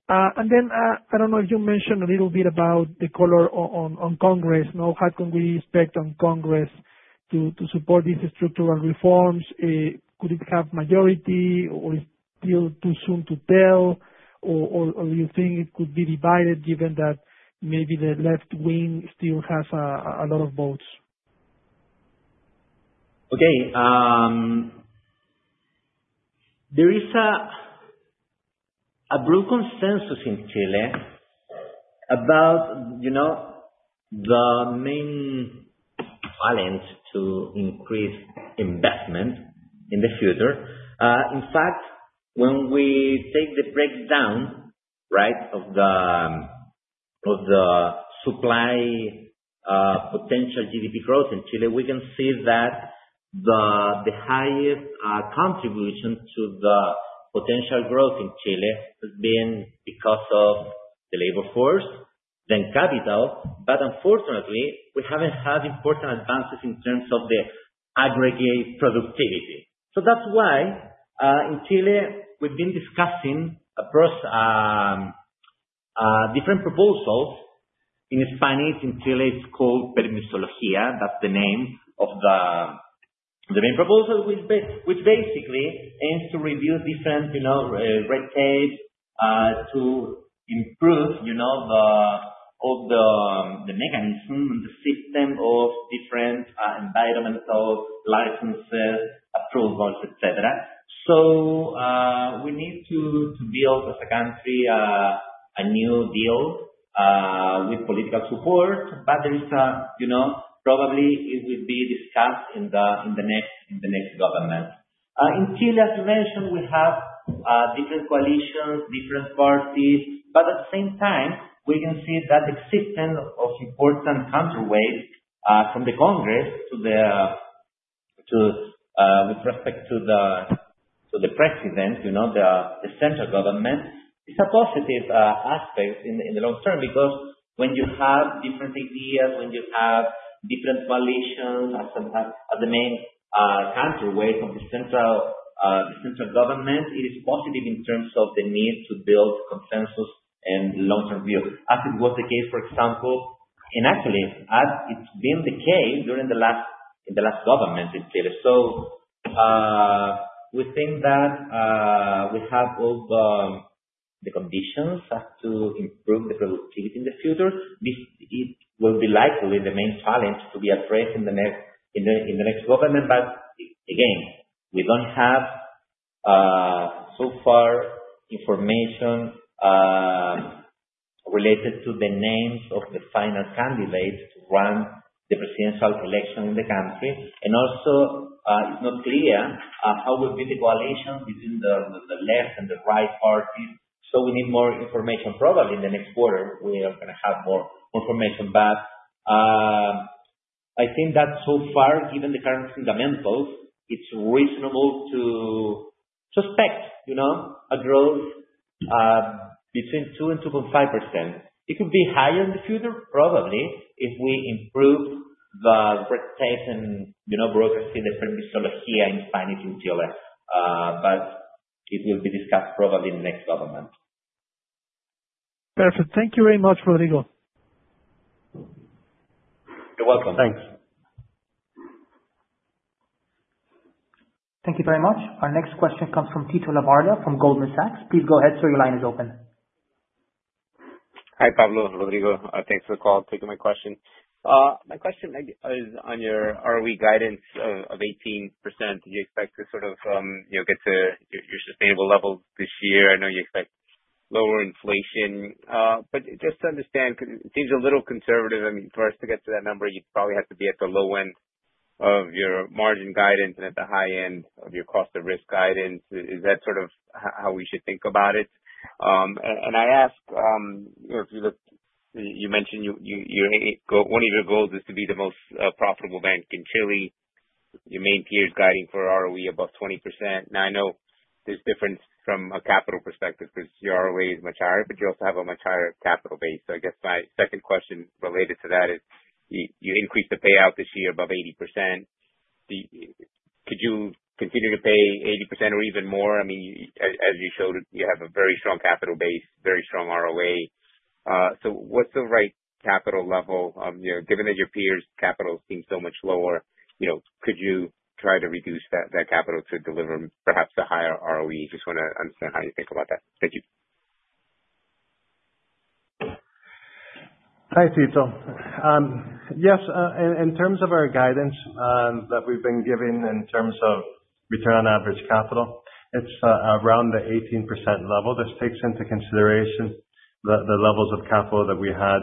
Then I don't know if you mentioned a little bit about the color on Congress. How can we expect Congress to support these structural reforms? Could it have majority or is it still too soon to tell? Or do you think it could be divided given that maybe the left wing still has a lot of votes? Okay. There is a broad consensus in Chile about the main challenge to increase investment in the future. In fact, when we take the breakdown, right, of the supply potential GDP growth in Chile, we can see that the highest contribution to the potential growth in Chile has been because of the labor force, then capital. But unfortunately, we haven't had important advances in terms of the aggregate productivity. So that's why in Chile, we've been discussing different proposals. In Spanish, in Chile, it's called Permisología. That's the name of the main proposal, which basically aims to reduce different red tape to improve all the mechanisms and the system of different environmental licenses, approvals, etc. So we need to build, as a country, a new deal with political support, but there is probably it will be discussed in the next government. In Chile, as you mentioned, we have different coalitions, different parties, but at the same time, we can see that the existence of important counterweights from the Congress to with respect to the president, the central government, is a positive aspect in the long term because when you have different ideas, when you have different coalitions as the main counterweight of the central government, it is positive in terms of the need to build consensus and long-term view, as it was the case, for example. And actually, it's been the case in the last government in Chile. So we think that we have all the conditions to improve the productivity in the future. It will be likely the main challenge to be addressed in the next government, but again, we don't have so far information related to the names of the final candidates to run the presidential election in the country, and also, it's not clear how will be the coalition between the left and the right parties, so we need more information. Probably in the next quarter, we are going to have more information, but I think that so far, given the current fundamentals, it's reasonable to suspect a growth between 2% and 2.5%. It could be higher in the future, probably, if we improve the red tape and bureaucracy in the Permisología in Spanish in Chile, but it will be discussed probably in the next government. Perfect. Thank you very much, Rodrigo. You're welcome. Thanks. Thank you very much. Our next question comes from Tito Labarta from Goldman Sachs. Please go ahead so your line is open. Hi, Pablo. Rodrigo. Thanks for the call. Take my question. My question is on your ROE guidance of 18%. Did you expect to sort of get to your sustainable levels this year? I know you expect lower inflation, but just to understand, it seems a little conservative. I mean, for us to get to that number, you'd probably have to be at the low end of your margin guidance and at the high end of your cost of risk guidance. Is that sort of how we should think about it? And I ask if you look, you mentioned one of your goals is to be the most profitable bank in Chile. Your main peer is guiding for ROE above 20%. Now, I know there's difference from a capital perspective because your ROE is much higher, but you also have a much higher capital base. So I guess my second question related to that is you increased the payout this year above 80%. Could you continue to pay 80% or even more? I mean, as you showed, you have a very strong capital base, very strong ROE. So what's the right capital level? Given that your peers' capital seems so much lower, could you try to reduce that capital to deliver perhaps a higher ROE? Just want to understand how you think about that. Thank you. Hi, Tito. Yes. In terms of our guidance that we've been giving in terms of return on average capital, it's around the 18% level. This takes into consideration the levels of capital that we had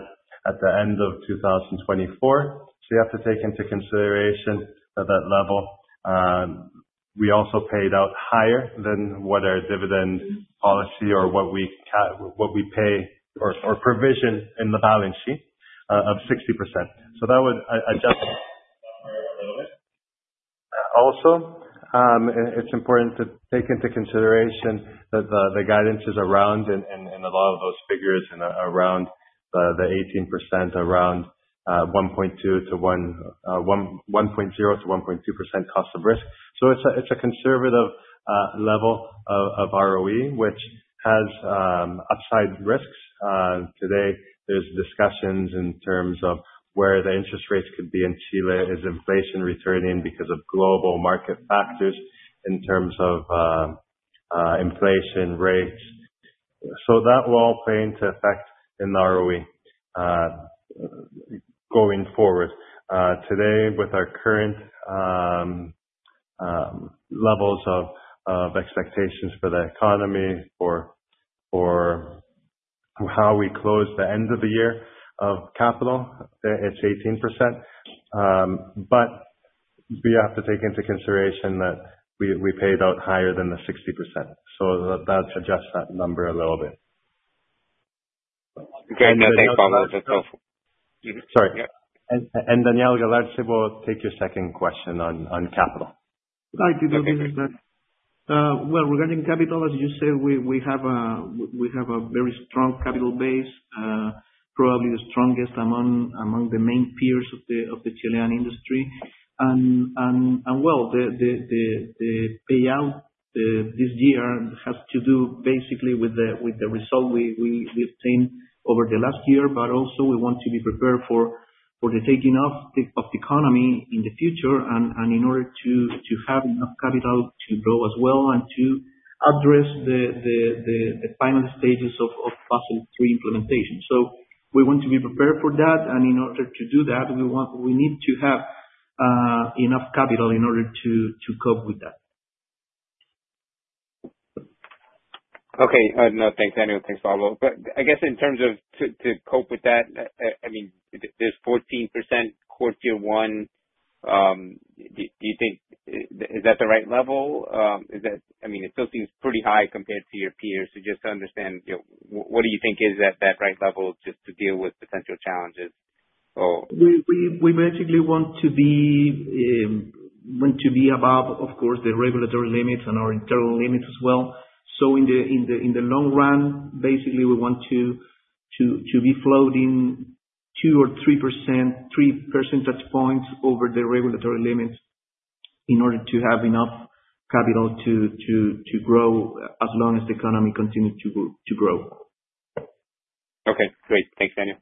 at the end of 2024. You have to take into consideration that that level, we also paid out higher than what our dividend policy or what we pay or provision in the balance sheet of 60%. So that would adjust a little bit. Also, it's important to take into consideration that the guidance is around, and a lot of those figures around the 18%, around 1.0%-1.2% cost of risk. So it's a conservative level of ROE, which has upside risks. Today, there's discussions in terms of where the interest rates could be in Chile as inflation returns in because of global market factors in terms of inflation rates. So that will all play into effect in ROE going forward. Today, with our current levels of expectations for the economy for how we close the end of the year of capital, it's 18%. But we have to take into consideration that we paid out higher than the 60%. So that adjusts that number a little bit. Okay. thanks, Pablo. That's helpful. Sorry. And Daniel Galarce will take your second question on capital. Hi, Tito. Well. Regarding capital, as you said, we have a very strong capital base, probably the strongest among the main peers of the Chilean industry. And well, the payout this year has to do basically with the result we obtained over the last year, but also we want to be prepared for the taking off of the economy in the future and in order to have enough capital to grow as well and to address the final stages of Basel III implementation. So we want to be prepared for that. And in order to do that, we need to have enough capital in order to cope with that. Okay. No, thanks, Daniel. Thanks, Pablo. But I guess in terms of to cope with that, I mean, there's 14% Core Tier 1. Do you think is that the right level? I mean, it still seems pretty high compared to your peers. So just to understand, what do you think is that right level just to deal with potential challenges or? We basically want to be above, of course, the regulatory limits and our internal limits as well. So in the long run, basically, we want to be floating two or three percentage points over the regulatory limits in order to have enough capital to grow as long as the economy continues to grow. Okay. Great. Thanks, Daniel.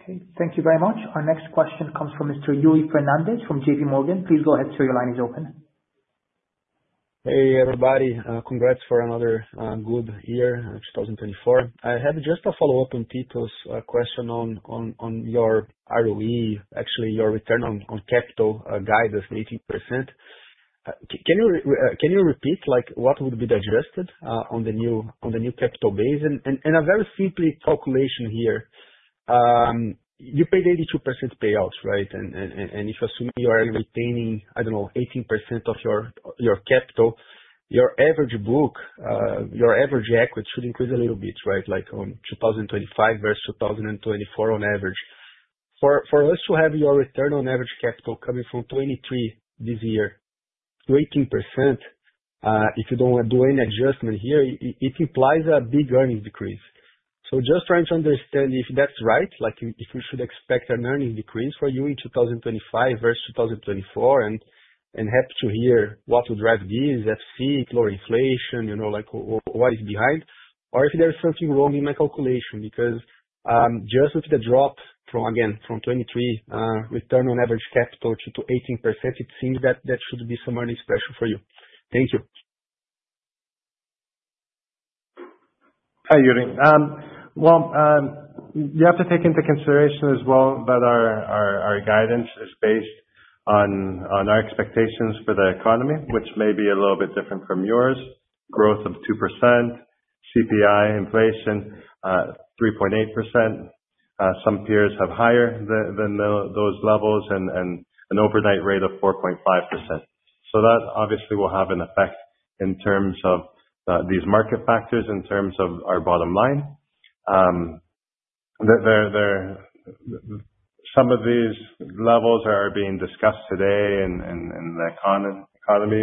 Okay. Thank you very much. Our next question comes from Mr. Yuri Fernandes from JP Morgan. Please go ahead till your line is open. Hey, everybody. Congrats for another good year, 2024. I had just a follow-up on Tito's question on your ROE, actually your return on capital guidance, the 18%. Can you repeat what would be the adjusted on the new capital base? And a very simple calculation here. You paid 82% payouts, right? And if you assume you are retaining, I don't know, 18% of your capital, your average book, your average equity should increase a little bit, right? Like on 2025 versus 2024 on average. For us to have your return on average capital coming from 23% this year to 18%, if you don't do any adjustment here, it implies a big earnings decrease. So, just trying to understand if that's right, if we should expect an earnings decrease for you in 2025 versus 2024, and happy to hear what will drive these, FC, lower inflation, what is behind, or if there's something wrong in my calculation because just with the drop from, again, from 23% return on average capital to 18%, it seems that that should be some earnings pressure for you. Thank you. Hi, Yuri. Well, you have to take into consideration as well that our guidance is based on our expectations for the economy, which may be a little bit different from yours. Growth of 2%, CPI inflation, 3.8%. Some peers have higher than those levels and an overnight rate of 4.5%. So that obviously will have an effect in terms of these market factors, in terms of our bottom line. Some of these levels are being discussed today in the economy.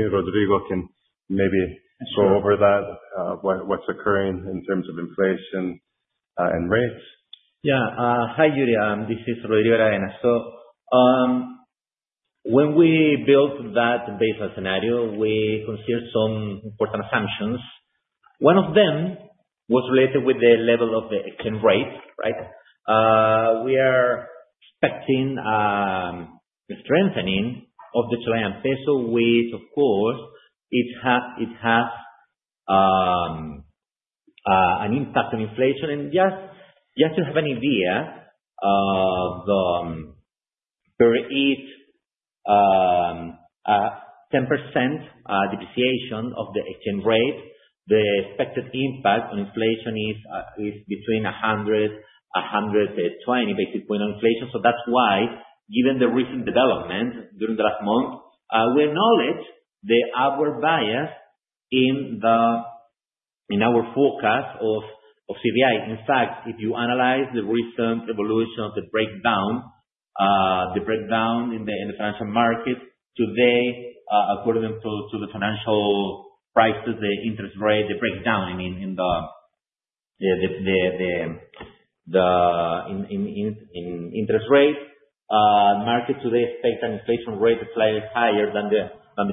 Rodrigo can maybe go over that, what's occurring in terms of inflation and rates. Yeah. Hi, Yuri. This is Rodrigo Aravena. So when we built that baseline scenario, we considered some important assumptions. One of them was related with the level of the exchange rate, right? We are expecting the strengthening of the Chilean peso, which, of course, it has an impact on inflation. And just to have an idea, per each 10% depreciation of the exchange rate, the expected impact on inflation is between 100-120 basis points on inflation. So that's why, given the recent development during the last month, we acknowledge our bias in our forecast of CPI. In fact, if you analyze the recent evolution of the breakdown in the financial market today, according to the financial prices, the interest rate, the breakdown in the interest rate, the market today expects an inflation rate slightly higher than the 4%,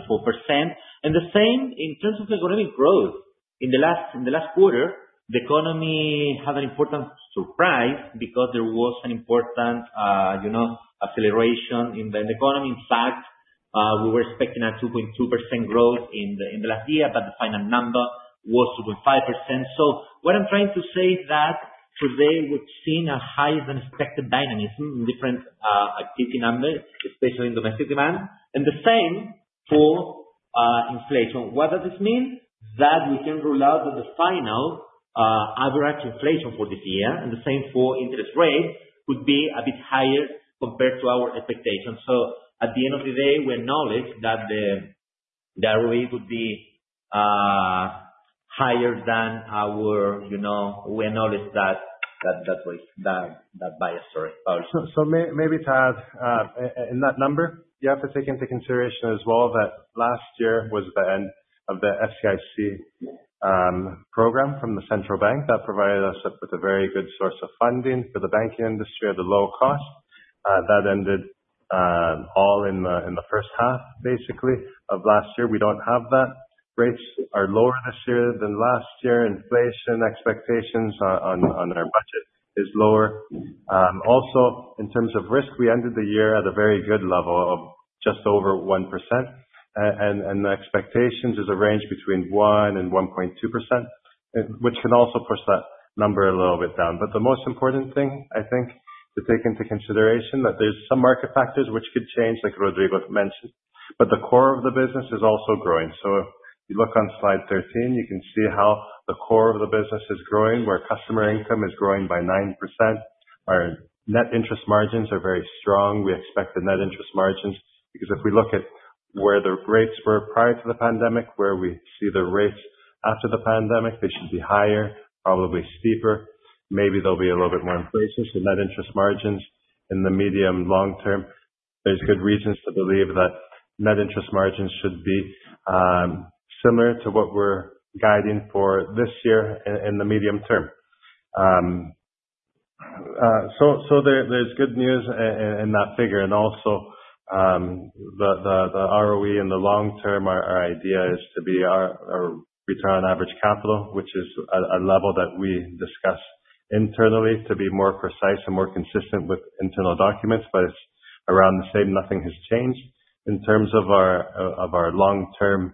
and the same in terms of economic growth. In the last quarter, the economy had an important surprise because there was an important acceleration in the economy. In fact, we were expecting a 2.2% growth in the last year, but the final number was 2.5%, so what I'm trying to say is that today we've seen a higher than expected dynamism in different activity numbers, especially in domestic demand, and the same for inflation. What does this mean? That we can rule out that the final average inflation for this year and the same for interest rate would be a bit higher compared to our expectations. At the end of the day, we acknowledge that the ROE would be higher than ours. We acknowledge that bias, sorry. Maybe to add, in that number, you have to take into consideration as well that last year was the end of the FCIC program from the Central Bank that provided us with a very good source of funding for the banking industry at a low cost. That ended all in the first half, basically, of last year. We don't have that. Rates are lower this year than last year. Inflation expectations on our budget is lower. Also, in terms of risk, we ended the year at a very good level of just over 1%. The expectations is a range between 1% and 1.2%, which can also push that number a little bit down. But the most important thing, I think, to take into consideration that there's some market factors which could change, like Rodrigo mentioned. But the core of the business is also growing. So if you look on slide 13, you can see how the core of the business is growing, where customer income is growing by 9%. Our net interest margins are very strong. We expect the net interest margins because if we look at where the rates were prior to the pandemic, where we see the rates after the pandemic, they should be higher, probably steeper. Maybe they'll be a little bit more inflation. So net interest margins in the medium-long term, there's good reasons to believe that net interest margins should be similar to what we're guiding for this year in the medium term. So there's good news in that figure. And also, the ROE in the long term, our idea is to be our return on average capital, which is a level that we discuss internally to be more precise and more consistent with internal documents. But it's around the same. Nothing has changed. In terms of our long-term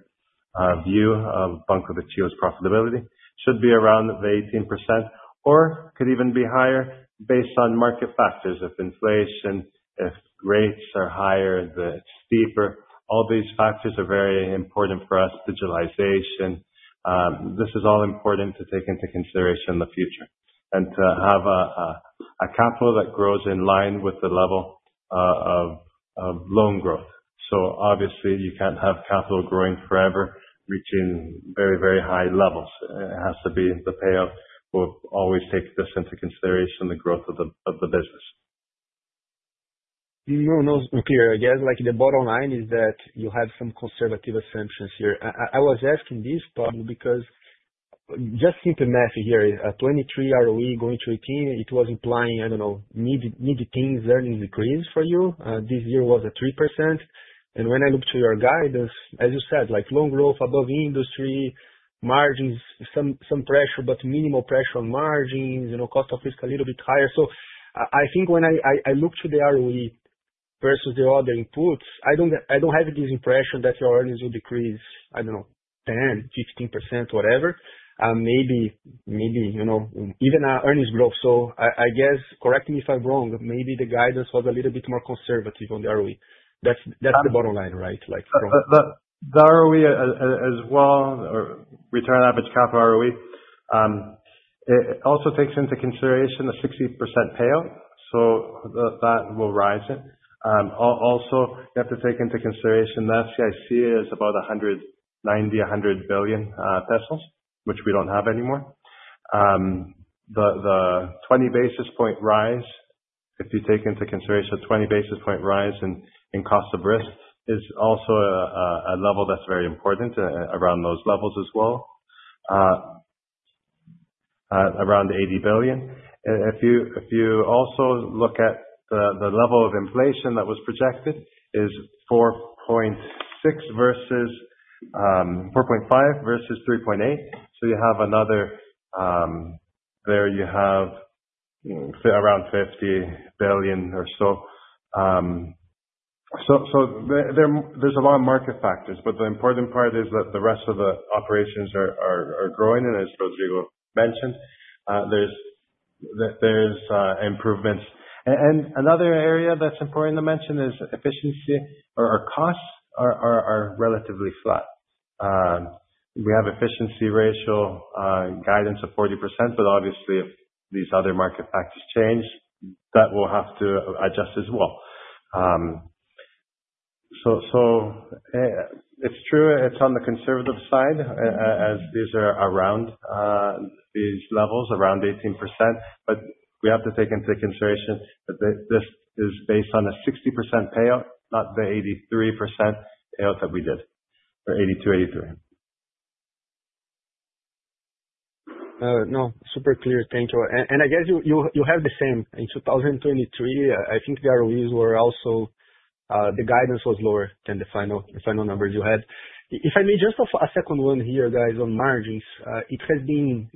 view of Banco de Chile's profitability, it should be around the 18% or could even be higher based on market factors. If inflation, if rates are higher, it's steeper. All these factors are very important for us, digitalization. This is all important to take into consideration in the future and to have a capital that grows in line with the level of loan growth. So obviously, you can't have capital growing forever, reaching very, very high levels. It has to be the payout will always take this into consideration, the growth of the business. No, no. Okay. I guess the bottom line is that you have some conservative assumptions here. I was asking this, Pablo, because just simple math here, 23% ROE going to 18%, it was implying, I don't know, mid-18s earnings decrease for you. This year was at 3%. When I looked at your guidance, as you said, loan growth above industry, margins, some pressure, but minimal pressure on margins, cost of risk a little bit higher. So I think when I looked at the ROE versus the other inputs, I don't have this impression that your earnings will decrease, I don't know, 10%, 15% whatever, maybe even earnings growth. So I guess, correct me if I'm wrong, maybe the guidance was a little bit more conservative on the ROE. That's the bottom line, right? The ROE as well, return on average capital ROE, it also takes into consideration the 60% payout. So that will rise it. Also, you have to take into consideration that FCIC is about 190.1 billion pesos, which we don't have anymore. The 20 basis point rise, if you take into consideration 20 basis point rise in cost of risk, is also a level that's very important around those levels as well, around 80 billion. If you also look at the level of inflation that was projected, it is 4.6% versus 4.5% versus 3.8%. So you have another there you have around 50 billion or so. So there's a lot of market factors, but the important part is that the rest of the operations are growing. And as Rodrigo mentioned, there's improvements. And another area that's important to mention is efficiency. Our costs are relatively flat. We have efficiency ratio guidance of 40%, but obviously, if these other market factors change, that will have to adjust as well. So it's true. It's on the conservative side as these are around these levels, around 18%. But we have to take into consideration that this is based on a 60% payout, not the 83% payout that we did, or 82%, 83%. No, super clear. Thank you. And I guess you have the same. In 2023, I think the ROEs were also the guidance was lower than the final numbers you had. If I may just have a second one here, guys, on margins, it has been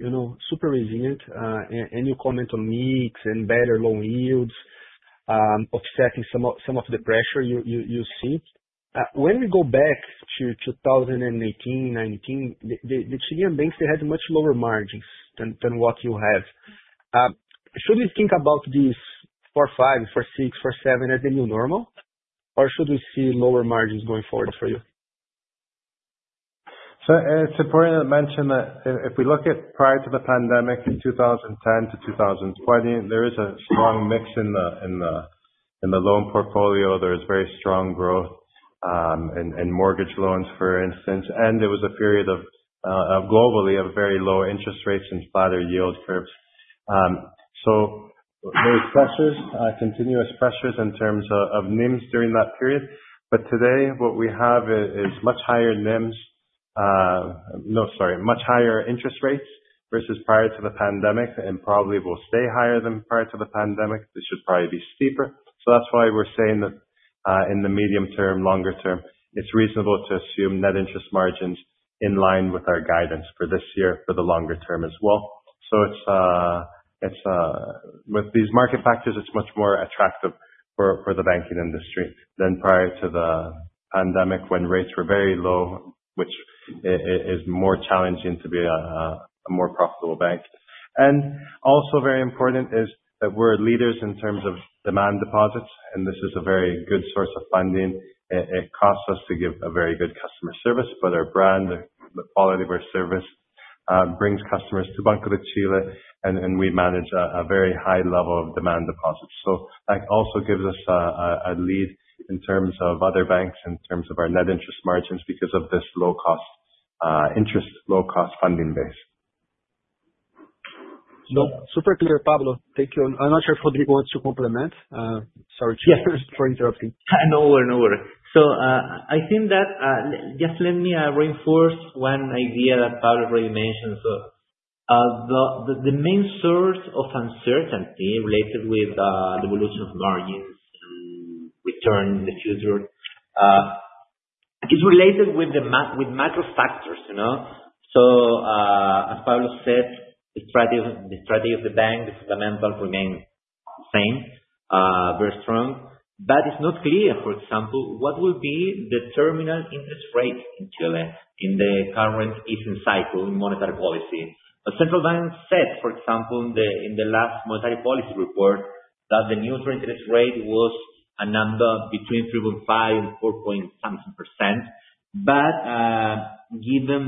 super resilient. And you comment on mix and better loan yields, offsetting some of the pressure you see. When we go back to 2018, 2019, the Chilean banks, they had much lower margins than what you have. Should we think about these 4.5%, 4.6%, 4.7% as the new normal, or should we see lower margins going forward for you? So it's important to mention that if we look at prior to the pandemic in 2010-2020, there is a strong mix in the loan portfolio. There is very strong growth in mortgage loans, for instance. And there was a period of globally of very low interest rates and flatter yield curves. So there's pressures, continuous pressures in terms of NIMs during that period. But today, what we have is much higher NIMs no, sorry, much higher interest rates versus prior to the pandemic and probably will stay higher than prior to the pandemic. This should probably be steeper. So that's why we're saying that in the medium term, longer term, it's reasonable to assume net interest margins in line with our guidance for this year for the longer term as well. So with these market factors, it's much more attractive for the banking industry than prior to the pandemic when rates were very low, which is more challenging to be a more profitable bank. And also very important is that we're leaders in terms of demand deposits. And this is a very good source of funding. It costs us to give a very good customer service, but our brand, the quality of our service brings customers to Banco de Chile, and we manage a very high level of demand deposits. So that also gives us a lead in terms of other banks, in terms of our net interest margins because of this low-cost interest, low-cost funding base. No, super clear, Pablo. Thank you. I'm not sure if Rodrigo wants to comment. Sorry for interrupting. No worries, no worries. So I think that just let me reinforce one idea that Pablo already mentioned. So the main source of uncertainty related with the evolution of margins and return in the future is related with macro factors. So as Pablo said, the strategy of the bank, the fundamentals remain the same, very strong. But it's not clear, for example, what will be the terminal interest rate in Chile in the current easing cycle in monetary policy. The Central Bank said, for example, in the last monetary policy report that the neutral interest rate was a number between 3.5%-4.7%. But given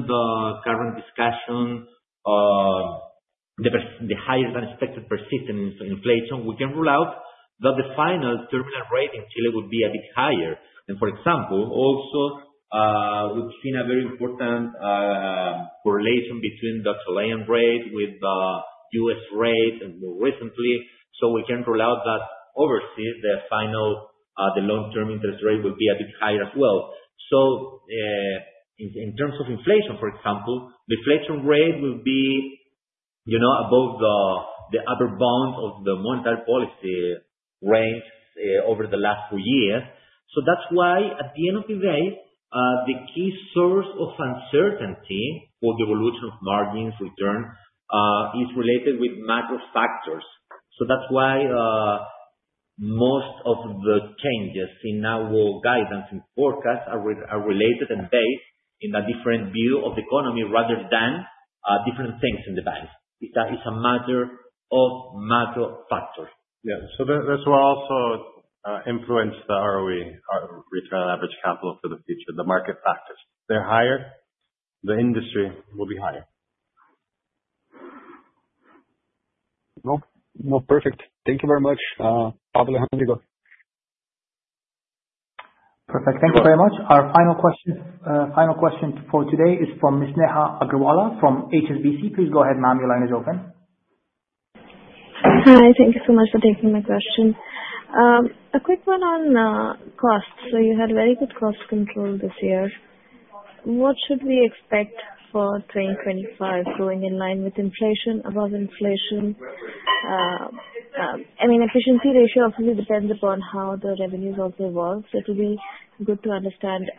the current discussion, the higher-than-expected persistence in inflation, we cannot rule out that the final terminal rate in Chile would be a bit higher. For example, also we've seen a very important correlation between the Chilean rate with the U.S. rate more recently. So we can rule out that overseas, the long-term interest rate will be a bit higher as well. So in terms of inflation, for example, the inflation rate will be above the upper bound of the monetary policy range over the last four years. So that's why, at the end of the day, the key source of uncertainty for the evolution of margins return is related with macro factors. So that's why most of the changes in our guidance and forecast are related and based in a different view of the economy rather than different things in the bank. It's a matter of macro factors. Yeah. So those will also influence the ROE, return on average capital for the future, the market factors. They're higher, the industry will be higher. No, perfect. Thank you very much, Pablo and Rodrigo. Perfect. Thank you very much. Our final question for today is from Ms. Neha Agarwala from HSBC. Please go ahead, ma'am. Your line is open. Hi. Thank you so much for taking my question. A quick one on costs. So you had very good cost control this year. What should we expect for 2025 going in line with inflation, above inflation? I mean, efficiency ratio obviously depends upon how the revenues also evolve. So it will be good to understand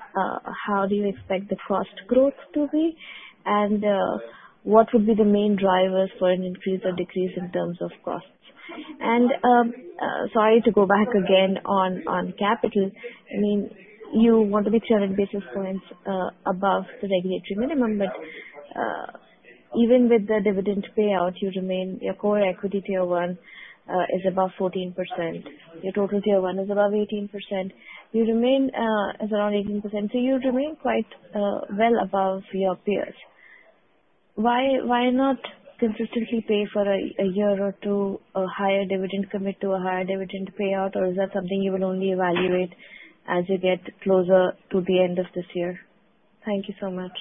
how do you expect the cost growth to be and what would be the main drivers for an increase or decrease in terms of costs. And sorry to go back again on capital. I mean, you want to be 7 basis points above the regulatory minimum, but even with the dividend payout, your core equity Tier 1 is above 14%. Your total Tier 1 is above 18%. You remain at around 18%. So you remain quite well above your peers. Why not consistently pay for a year or two a higher dividend, commit to a higher dividend payout, or is that something you will only evaluate as you get closer to the end of this year? Thank you so much.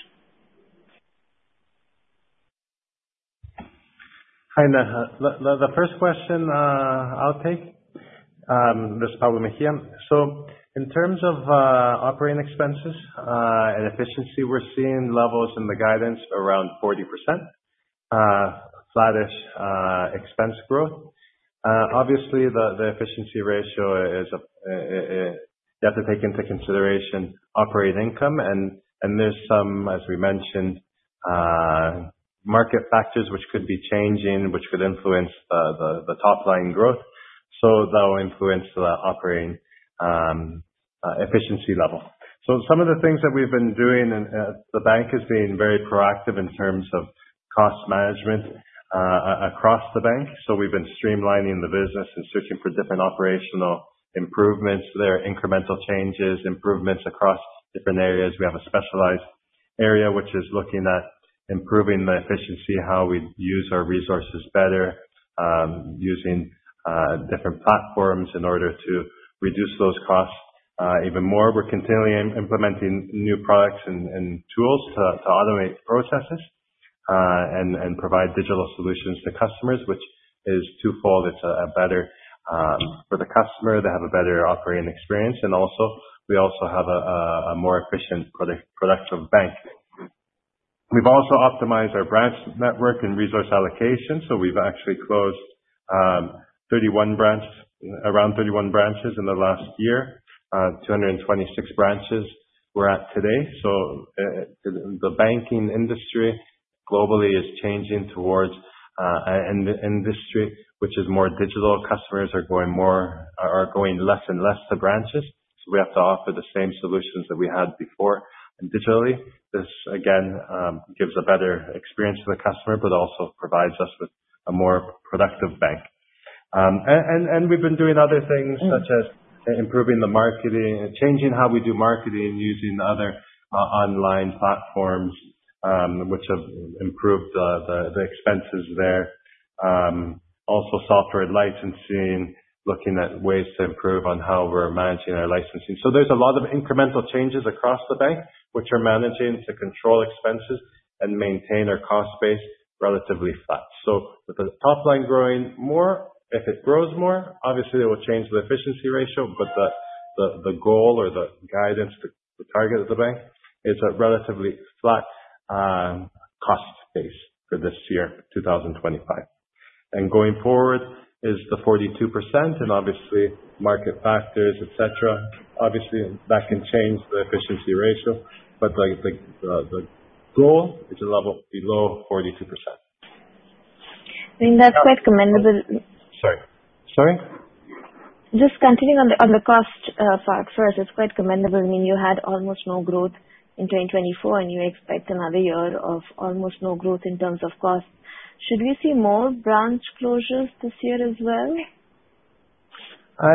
Hi, Neha. The first question I'll take is Pablo Mejia. So in terms of operating expenses and efficiency, we're seeing levels in the guidance around 40%, flattish expense growth. Obviously, the efficiency ratio is you have to take into consideration operating income. And there's some, as we mentioned, market factors which could be changing, which could influence the top-line growth. So that will influence the operating efficiency level. Some of the things that we've been doing, the bank has been very proactive in terms of cost management across the bank. We've been streamlining the business and searching for different operational improvements. There are incremental changes, improvements across different areas. We have a specialized area which is looking at improving the efficiency, how we use our resources better, using different platforms in order to reduce those costs even more. We're continually implementing new products and tools to automate processes and provide digital solutions to customers, which is twofold. It's better for the customer. They have a better operating experience. And we also have a more efficient productive bank. We've also optimized our branch network and resource allocation. We've actually closed around 31 branches in the last year, 226 branches we're at today. The banking industry globally is changing towards an industry which is more digital. Customers are going less and less to branches, so we have to offer the same solutions that we had before, and digitally, this again gives a better experience to the customer, but also provides us with a more productive bank, and we've been doing other things such as improving the marketing, changing how we do marketing using other online platforms, which have improved the expenses there. Also, software licensing, looking at ways to improve on how we're managing our licensing, so there's a lot of incremental changes across the bank, which are managing to control expenses and maintain our cost base relatively flat, so with the top-line growing more, if it grows more, obviously, it will change the efficiency ratio, but the goal or the guidance, the target of the bank is a relatively flat cost base for this year, 2025, and going forward is the 42%. And obviously, market factors, etc. Obviously, that can change the efficiency ratio. But the goal is a level below 42%. I mean, that's quite commendable. Sorry. Sorry? Just continuing on the cost factors, it's quite commendable. I mean, you had almost no growth in 2024, and you expect another year of almost no growth in terms of costs. Should we see more branch closures this year as well?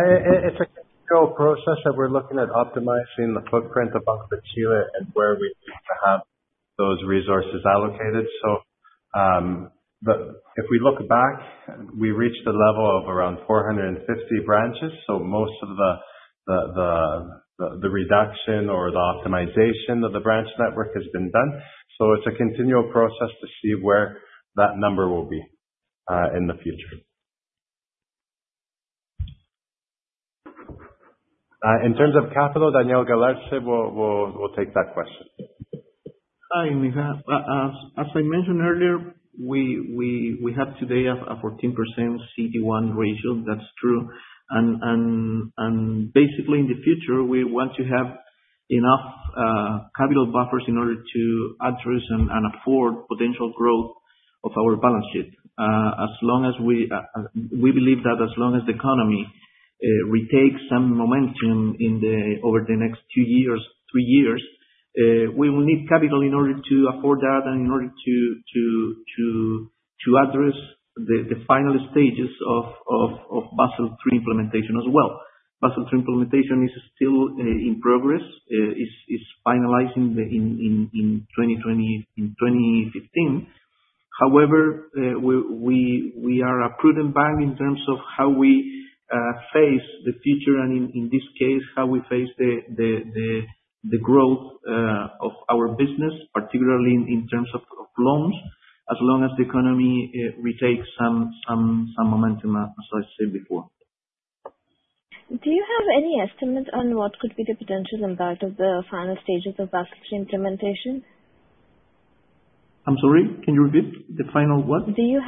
It's a continual process that we're looking at optimizing the footprint of Banco de Chile and where we need to have those resources allocated. So if we look back, we reached a level of around 450 branches. So most of the reduction or the optimization of the branch network has been done. So it's a continual process to see where that number will be in the future. In terms of capital, Daniel Galarce will take that question. Hi, Neha. As I mentioned earlier, we have today a 14% CET1 ratio. That's true. Basically, in the future, we want to have enough capital buffers in order to address and afford potential growth of our balance sheet. As long as we believe that as long as the economy retakes some momentum over the next two years, three years, we will need capital in order to afford that and in order to address the final stages of Basel III implementation as well. Basel III implementation is still in progress. It's finalizing in 2015. However, we are a prudent bank in terms of how we face the future and, in this case, how we face the growth of our business, particularly in terms of loans, as long as the economy retakes some momentum, as I said before. Do you have any estimates on what could be the potential impact of the final stages of Basel III implementation? I'm sorry. Can you repeat? The final what? Do you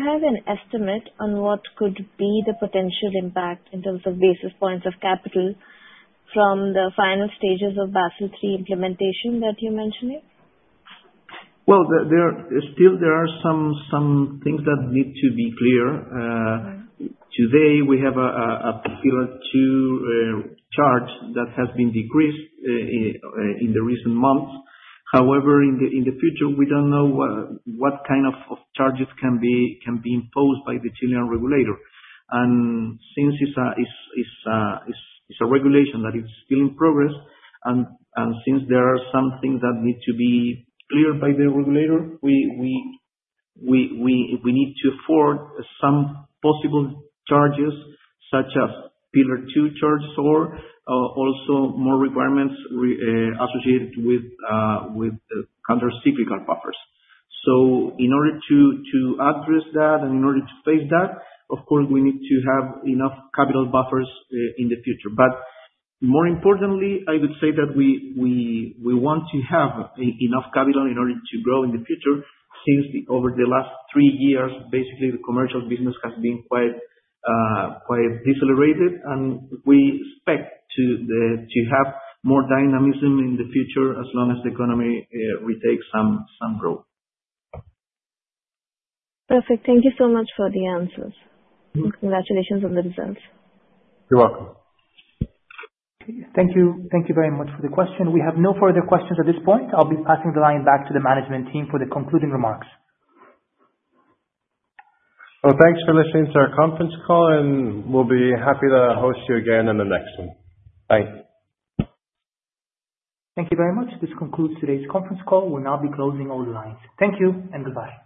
have an estimate on what could be the potential impact in terms of basis points of capital from the final stages of Basel III implementation that you're mentioning? Well, still, there are some things that need to be clear. Today, we have a Pillar II charge that has been decreased in the recent months. However, in the future, we don't know what kind of charges can be imposed by the Chilean regulator. And since it's a regulation that is still in progress, and since there are some things that need to be cleared by the regulator, we need to afford some possible charges such as Pillar II charges or also more requirements associated with countercyclical buffers. So in order to address that and in order to face that, of course, we need to have enough capital buffers in the future. But more importantly, I would say that we want to have enough capital in order to grow in the future since over the last three years, basically, the commercial business has been quite decelerated. And we expect to have more dynamism in the future as long as the economy retakes some growth. Perfect. Thank you so much for the answers. Congratulations on the results. You're welcome. Thank you very much for the question. We have no further questions at this point. I'll be passing the line back to the management team for the concluding remarks. Well, thanks for listening to our conference call. And we'll be happy to host you again in the next one. Thanks. Thank you very much. This concludes today's conference call. We'll now be closing all the lines. Thank you and goodbye.